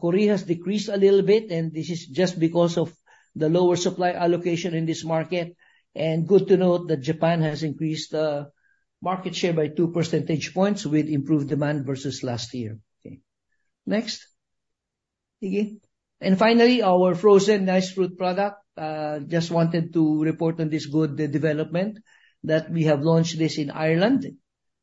Korea has decreased a little bit, and this is just because of the lower supply allocation in this market. And good to note that Japan has increased market share by 2 percentage points with improved demand versus last year. Okay, next. Iggy? And finally, our frozen nice fruit product. Just wanted to report on this good development, that we have launched this in Ireland,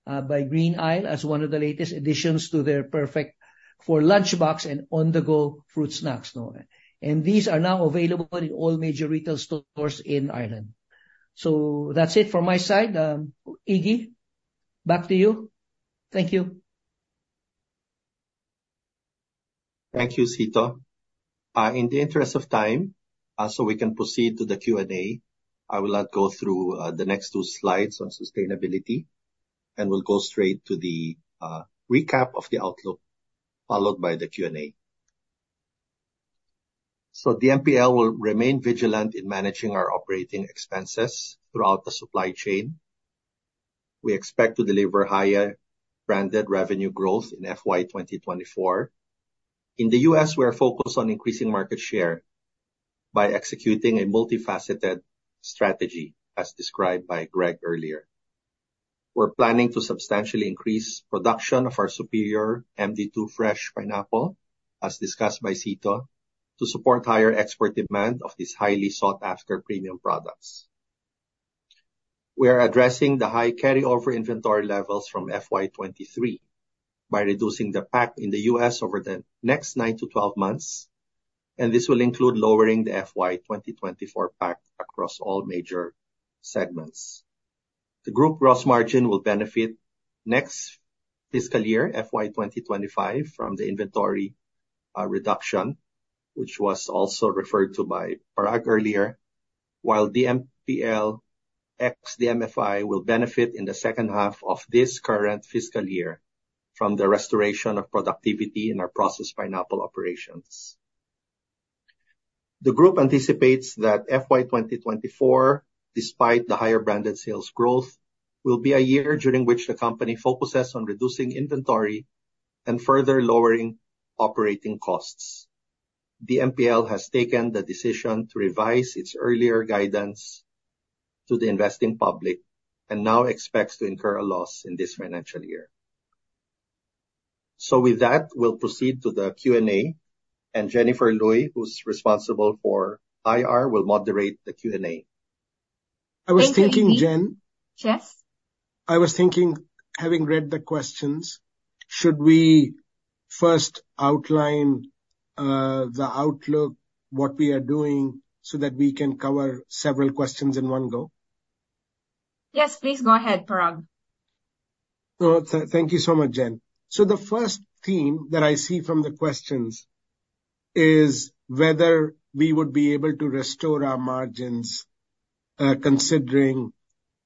by Green Isle, as one of the latest additions to their perfect for lunchbox and on-the-go fruit snacks, no? And these are now available in all major retail stores in Ireland. So that's it for my side. Iggy, back to you. Thank you. Thank you, Cito. In the interest of time, so we can proceed to the Q&A, I will not go through the next two slides on sustainability, and we'll go straight to the recap of the outlook, followed by the Q&A. DMPL will remain vigilant in managing our operating expenses throughout the supply chain. We expect to deliver higher branded revenue growth in FY 2024. In the US, we are focused on increasing market share by executing a multifaceted strategy, as described by Greg earlier. We're planning to substantially increase production of our superior MD2 fresh pineapple, as discussed by Cito, to support higher export demand of these highly sought-after premium products. We are addressing the high carryover inventory levels from FY 2023 by reducing the pack in the US over the next 9-12 months, and this will include lowering the FY 2024 pack across all major segments. The group gross margin will benefit next fiscal year, FY 2025, from the inventory reduction, which was also referred to by Parag earlier, while DMPL ex the DMFI will benefit in the H2 of this current fiscal year from the restoration of productivity in our processed pineapple operations. The group anticipates that FY 2024, despite the higher branded sales growth, will be a year during which the company focuses on reducing inventory and further lowering operating costs. DMPL has taken the decision to revise its earlier guidance to the investing public and now expects to incur a loss in this financial year. With that, we'll proceed to the Q&A, and Jennifer Luy, who's responsible for IR, will moderate the Q&A. I was thinking, *crosstalk* Jen- Yes? I was thinking, having read the questions, should we first outline, the outlook, what we are doing, so that we can cover several questions in one go? Yes, please go ahead, Parag. Thank you so much, Jen. So the first theme that I see from the questions is whether we would be able to restore our margins, considering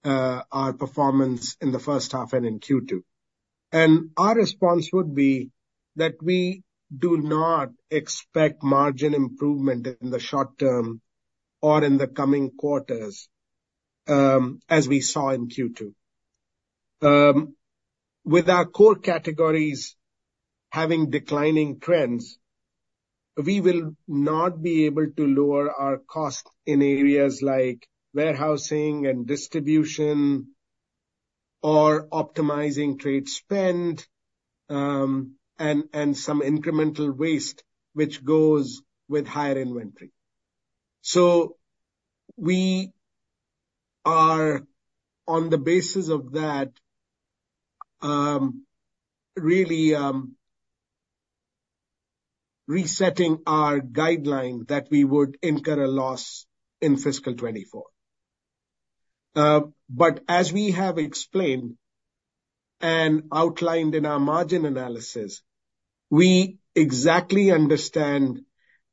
our performance in the H1 and in Q2. And our response would be that we do not expect margin improvement in the short term or in the coming quarters, as we saw in Q2. With our core categories having declining trends, we will not be able to lower our costs in areas like warehousing and distribution or optimizing trade spend, and, and some incremental waste, which goes with higher inventory. So we are, on the basis of that, really, resetting our guideline that we would incur a loss in fiscal 2024. But as we have explained and outlined in our margin analysis, we exactly understand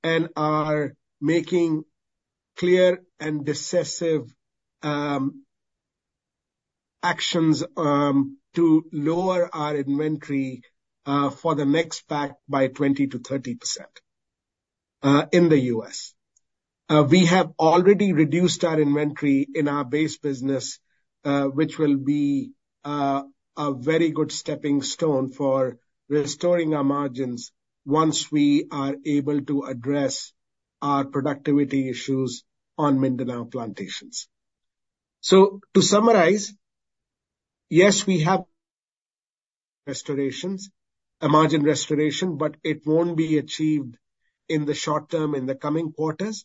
and are making clear and decisive. actions, to lower our inventory for the next pack by 20-30% in the US. We have already reduced our inventory in our base business, which will be a very good stepping stone for restoring our margins once we are able to address our productivity issues on Mindanao plantations. So to summarize, yes, we have restorations, a margin restoration, but it won't be achieved in the short term, in the coming quarters.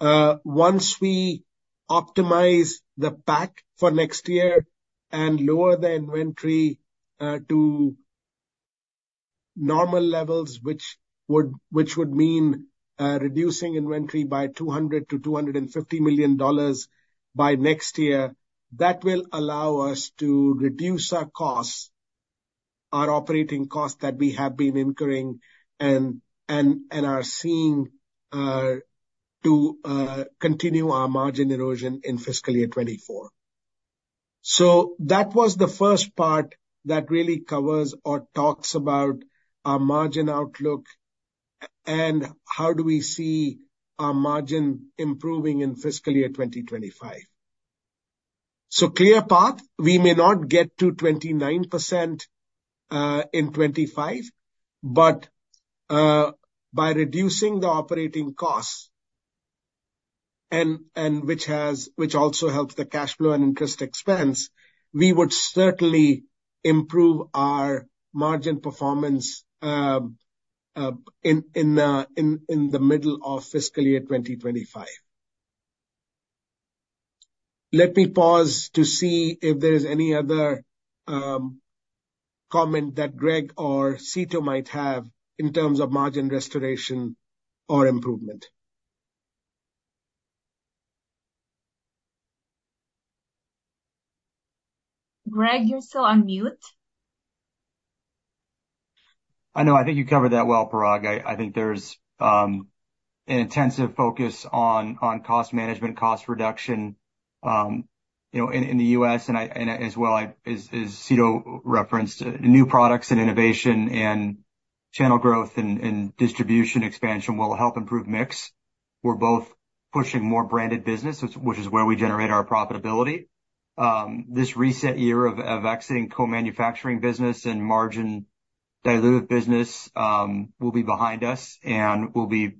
Once we optimize the pack for next year and lower the inventory to normal levels, which would mean reducing inventory by $200 million-250 million by next year, that will allow us to reduce our costs, our operating costs that we have been incurring and are seeing to continue our margin erosion in fiscal year 2024. So that was the first part that really covers or talks about our margin outlook and how do we see our margin improving in fiscal year 2025. So clear path, we may not get to 29%, in 2025, but, by reducing the operating costs and which has, which also helps the cash flow and interest expense, we would certainly improve our margin performance, in the middle of fiscal year 2025. Let me pause to see if there's any other comment that Greg or Cito might have in terms of margin restoration or improvement. Greg, you're still on mute. I know. I think you covered that well, Parag. I think there's an intensive focus on cost management, cost reduction, you know, in the US, and as well, as Cito referenced, new products and innovation and channel growth and distribution expansion will help improve mix. We're both pushing more branded business, which is where we generate our profitability. This recent year of exiting co-manufacturing business and margin dilute business will be behind us, and we'll be,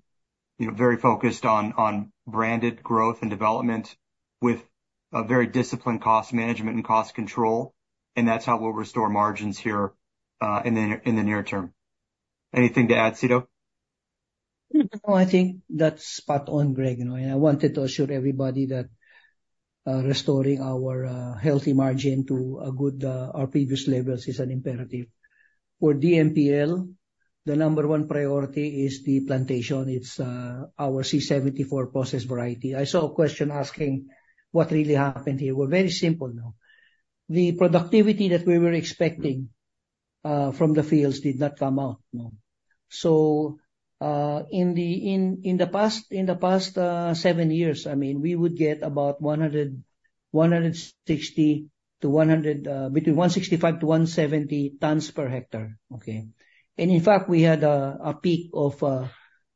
you know, very focused on branded growth and development with a very disciplined cost management and cost control, and that's how we'll restore margins here in the near term. Anything to add, Cito? No, I think that's spot on, Greg. You know, I wanted to assure everybody that restoring our healthy margin to a good our previous levels is an imperative. For DMPL, the number one priority is the plantation. It's our C74 processed variety. I saw a question asking what really happened here. Well, very simple, no. The productivity that we were expecting from the fields did not come out, no. So, in the past seven years, I mean, we would get about 160-170 tons per hectare, okay? And in fact, we had a peak of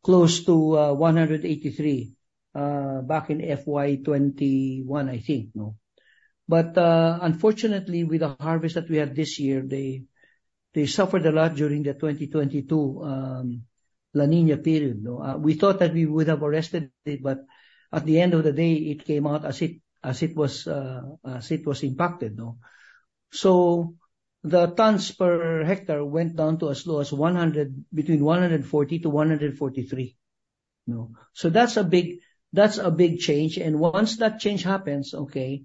close to 183 back in FY 2021, I think, no. But, unfortunately, with the harvest that we had this year, they, they suffered a lot during the 2022 La Niña period, no. We thought that we would have arrested it, but at the end of the day, it came out as it, as it was, as it was impacted, no. So the tons per hectare went down to as low as 100, between 140 to 143, no. So that's a big, that's a big change, and once that change happens, okay,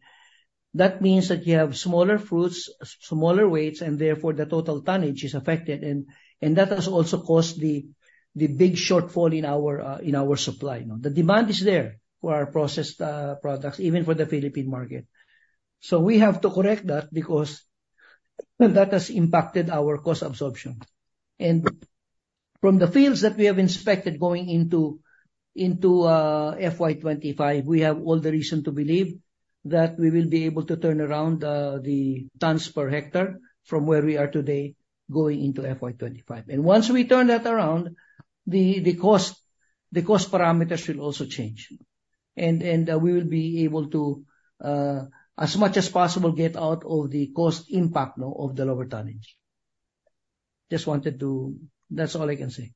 that means that you have smaller fruits, smaller weights, and therefore the total tonnage is affected, and, and that has also caused the, the big shortfall in our, in our supply. The demand is there for our processed products, even for the Philippine market. So we have to correct that because that has impacted our cost absorption. And from the fields that we have inspected going into FY 25, we have all the reason to believe that we will be able to turn around the tons per hectare from where we are today going into FY 25. And once we turn that around, the cost parameters should also change. And we will be able to, as much as possible, get out of the cost impact now of the lower tonnage. Just wanted to... That's all I can say.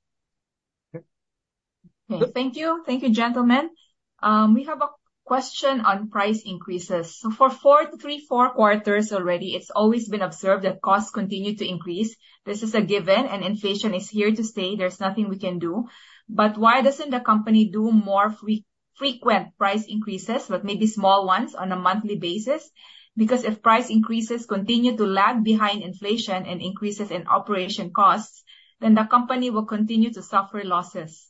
Thank you. Thank you, gentlemen. We have a question on price increases. So for four, three, four quarters already, it's always been observed that costs continue to increase. This is a given, and inflation is here to stay. There's nothing we can do. But why doesn't the company do more frequent price increases, but maybe small ones on a monthly basis? Because if price increases continue to lag behind inflation and increases in operation costs, then the company will continue to suffer losses.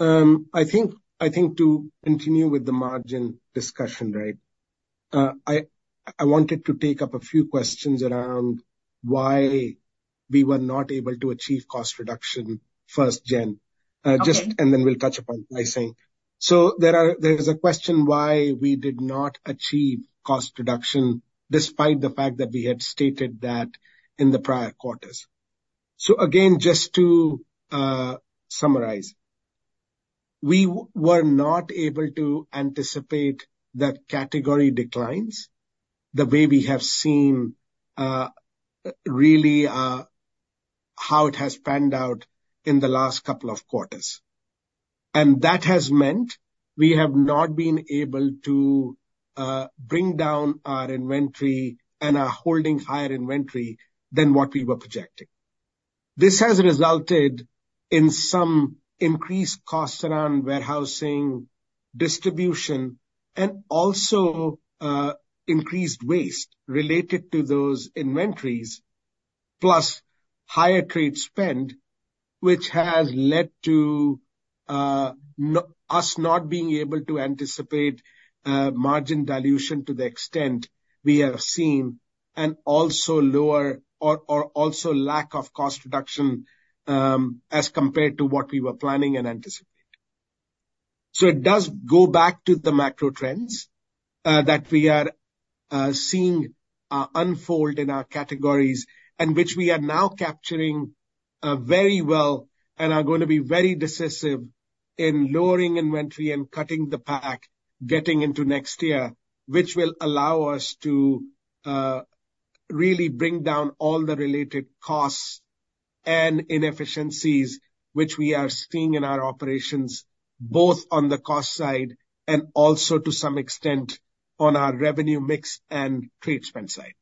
I think to continue with the margin discussion, right? I wanted to take up a few questions around why we were not able to achieve cost reduction first, Jen. Just- Okay. And then we'll touch upon pricing. So there is a question why we did not achieve cost reduction, despite the fact that we had stated that in the prior quarters. So again, just to summarize, we were not able to anticipate that category declines the way we have seen, really, how it has panned out in the last couple of quarters. And that has meant we have not been able to bring down our inventory and are holding higher inventory than what we were projecting. This has resulted in some increased costs around warehousing, distribution, and also increased waste related to those inventories, plus higher trade spend, which has led to us not being able to anticipate margin dilution to the extent we have seen, and also lower, or also lack of cost reduction, as compared to what we were planning and anticipated. So it does go back to the macro trends that we are seeing unfold in our categories, and which we are now capturing very well and are going to be very decisive in lowering inventory and cutting the pack, getting into next year, which will allow us to really bring down all the related costs and inefficiencies which we are seeing in our operations, both on the cost side and also to some extent, on our revenue mix and trade spend side.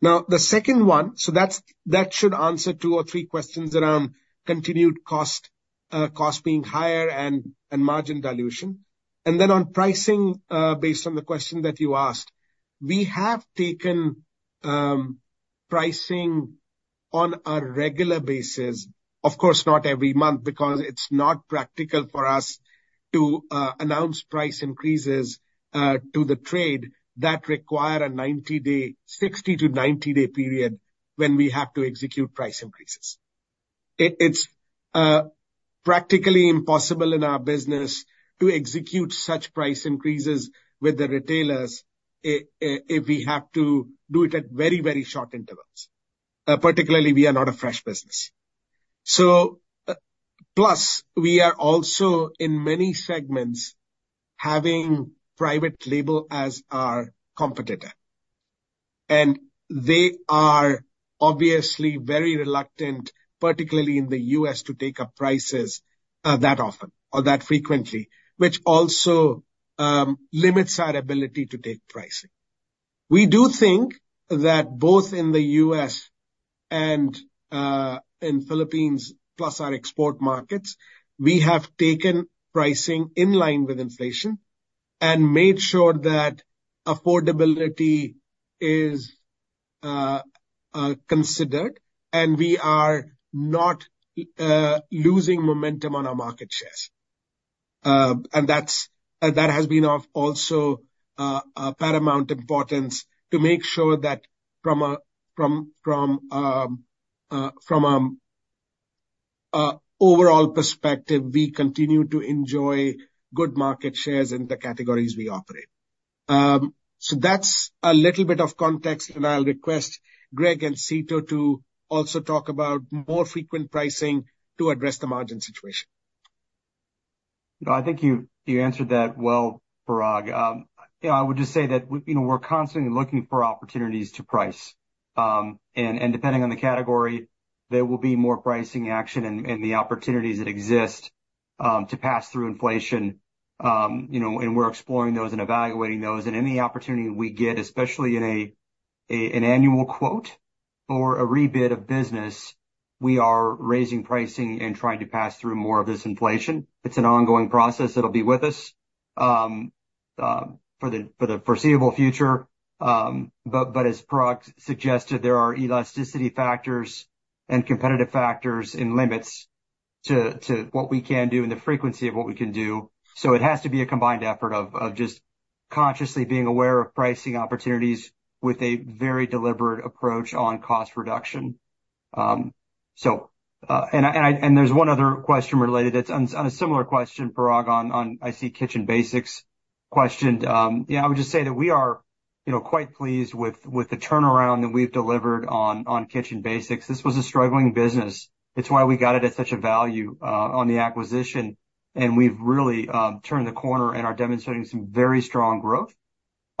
Now, the second one, so that's that should answer two or three questions around continued cost, cost being higher and margin dilution. And then on pricing, based on the question that you asked, we have taken pricing on a regular basis. Of course, not every month, because it's not practical for us to announce price increases to the trade that require a 90-day, 60- to 90-day period when we have to execute price increases. It's practically impossible in our business to execute such price increases with the retailers if we have to do it at very, very short intervals. Particularly, we are not a fresh business. So, plus, we are also, in many segments, having private label as our competitor, and they are obviously very reluctant, particularly in the US, to take up prices that often or that frequently, which also limits our ability to take pricing. We do think that both in the US and in Philippines, plus our export markets, we have taken pricing in line with inflation and made sure that affordability is considered, and we are not losing momentum on our market shares. And that's, and that has been of also a paramount importance to make sure that from a overall perspective, we continue to enjoy good market shares in the categories we operate. So that's a little bit of context, and I'll request Greg and Cito to also talk about more frequent pricing to address the margin situation. No, I think you answered that well, Parag. You know, I would just say that, you know, we're constantly looking for opportunities to price. And depending on the category, there will be more pricing action and the opportunities that exist to pass through inflation. You know, and we're exploring those and evaluating those, and any opportunity we get, especially in an annual quote or a rebid of business, we are raising pricing and trying to pass through more of this inflation. It's an ongoing process. It'll be with us for the foreseeable future. But as Parag suggested, there are elasticity factors and competitive factors and limits to what we can do and the frequency of what we can do. It has to be a combined effort of just consciously being aware of pricing opportunities with a very deliberate approach on cost reduction. And there's one other question related. It's on a similar question, Parag, I see Kitchen Basics questioned. Yeah, I would just say that we are, you know, quite pleased with the turnaround that we've delivered on Kitchen Basics. This was a struggling business. It's why we got it at such a value on the acquisition, and we've really turned the corner and are demonstrating some very strong growth.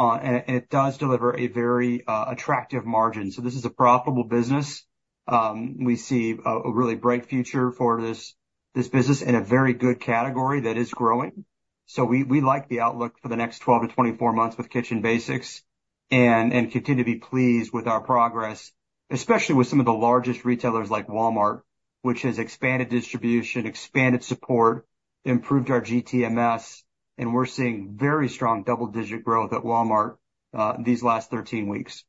It does deliver a very attractive margin. This is a profitable business. We see a really bright future for this business in a very good category that is growing. So we like the outlook for the next 12-24 months with Kitchen Basics and continue to be pleased with our progress, especially with some of the largest retailers like Walmart, which has expanded distribution, expanded support, improved our GTMS, and we're seeing very strong double-digit growth at Walmart these last 13 weeks.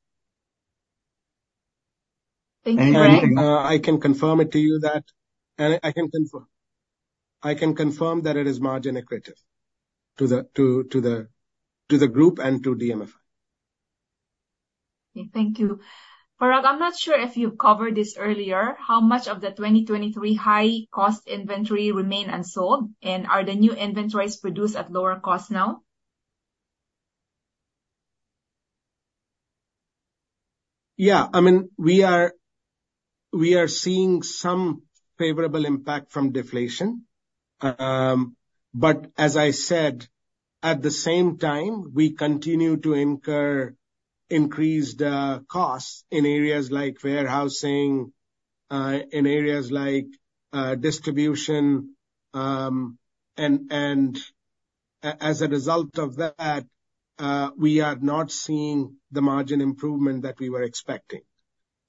Thank you Greg. I can confirm it to you that it is margin accretive to the group and to DMFI. Thank you. Parag, I'm not sure if you've covered this earlier, how much of the 2023 high-cost inventory remain unsold? And are the new inventories produced at lower cost now? Yeah, I mean, we are seeing some favorable impact from deflation. But as I said, at the same time, we continue to incur increased costs in areas like warehousing, in areas like distribution. And as a result of that, we are not seeing the margin improvement that we were expecting.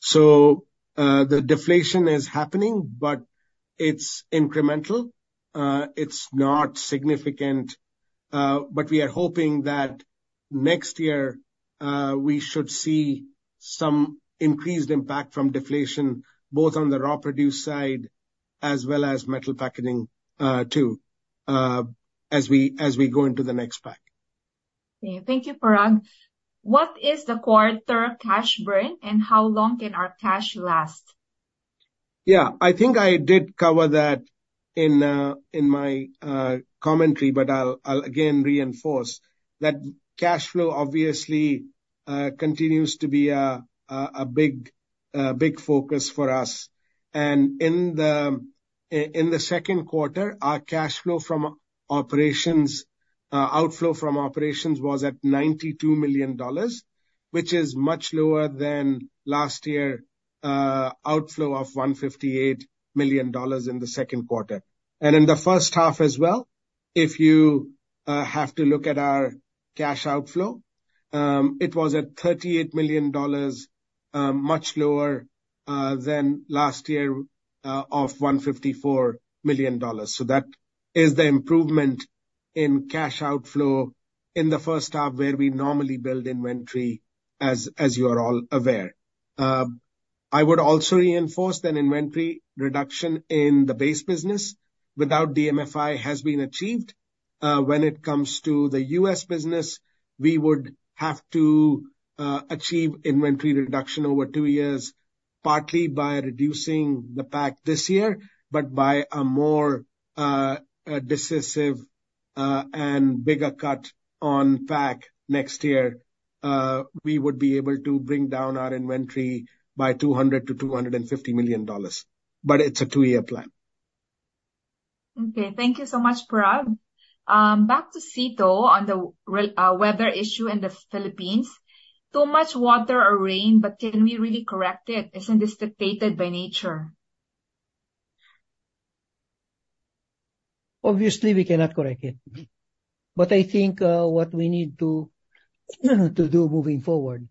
So, the deflation is happening, but it's incremental. It's not significant, but we are hoping that next year we should see some increased impact from deflation, both on the raw produce side as well as metal packaging, too, as we go into the next pack. Thank you, Parag. What is the quarter cash burn, and how long can our cash last? Yeah, I think I did cover that in my commentary, but I'll again reinforce that cash flow obviously continues to be a big focus for us. In the Q2, our cash flow from operations outflow from operations was at $92 million, which is much lower than last year, outflow of $158 million in the Q2. In the H1 as well, if you have to look at our cash outflow, it was at $38 million, much lower than last year of $154 million. That is the improvement in cash outflow in the H1, where we normally build inventory, as you are all aware. I would also reinforce that inventory reduction in the base business without DMFI has been achieved. When it comes to the US business, we would have to achieve inventory reduction over 2 years, partly by reducing the pack this year, but by a more decisive and bigger cut on pack next year, we would be able to bring down our inventory by $200 million-250 million, but it's a 2-year plan. Okay. Thank you so much, Parag. Back to Cito on the weather issue in the Philippines. So much water or rain, but can we really correct it? Isn't this dictated by nature? Obviously, we cannot correct it. But I think, what we need to, to do moving forward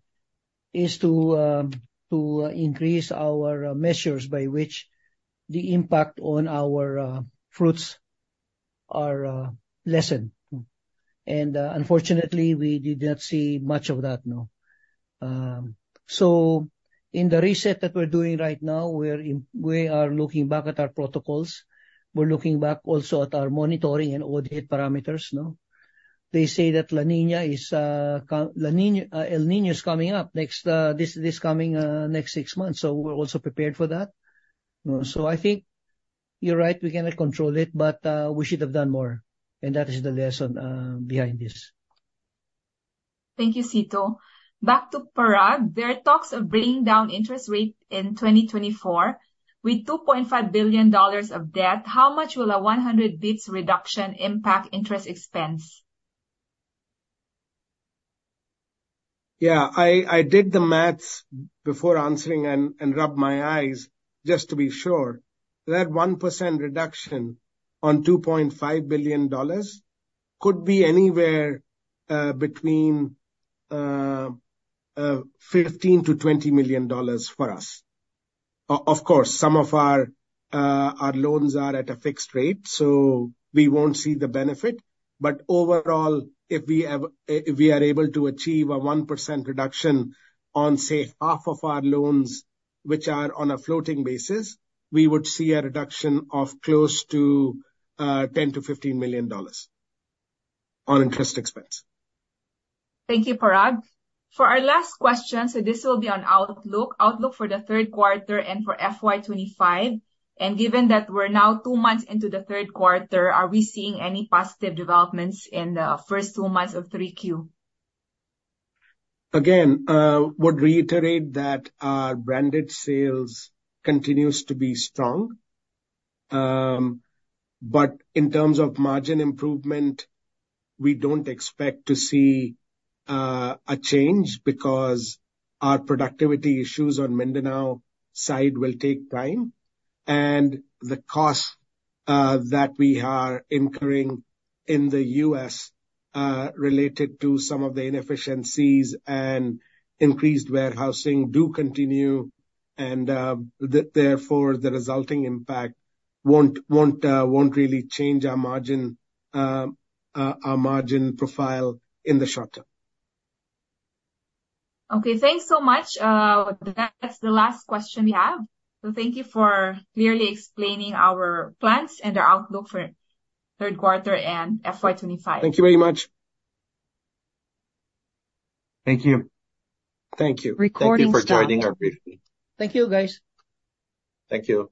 is to, increase our, measures by which the impact on our, fruits are, lessened. And, unfortunately, we did not see much of that, no. So in the reset that we're doing right now, we are looking back at our protocols. We're looking back also at our monitoring and audit parameters, no? They say that La Niña is, La Niña, El Niño is coming up next, this, this coming, next six months, so we're also prepared for that. So I think you're right, we cannot control it, but, we should have done more, and that is the lesson, behind this. Thank you, Cito. Back to Parag, there are talks of bringing down interest rate in 2024. With $2.5 billion of debt, how much will a 100 basis points reduction impact interest expense? Yeah, I did the math before answering and rubbed my eyes just to be sure. That 1% reduction on $2.5 billion could be anywhere between $15 million-$20 million for us. Of course, some of our loans are at a fixed rate, so we won't see the benefit. But overall, if we are able to achieve a 1% reduction on, say, half of our loans, which are on a floating basis, we would see a reduction of close to $10 million-15 million on interest expense. Thank you, Parag. For our last question, so this will be on outlook, outlook for the Q3 and for FY 25. Given that we're now two months into the Q3, are we seeing any positive developments in the first two months of 3Q? Again, would reiterate that our branded sales continues to be strong. But in terms of margin improvement, we don't expect to see a change because our productivity issues on Mindanao side will take time, and the costs that we are incurring in the US related to some of the inefficiencies and increased warehousing do continue. And, therefore, the resulting impact won't really change our margin profile in the short term. Okay, thanks so much. That's the last question we have. So thank you for clearly explaining our plans and our outlook for Q3 and FY 25. Thank you very much. Thank you. Thank you. Recording stopped. Thank you for joining our briefing. Thank you, guys. Thank you.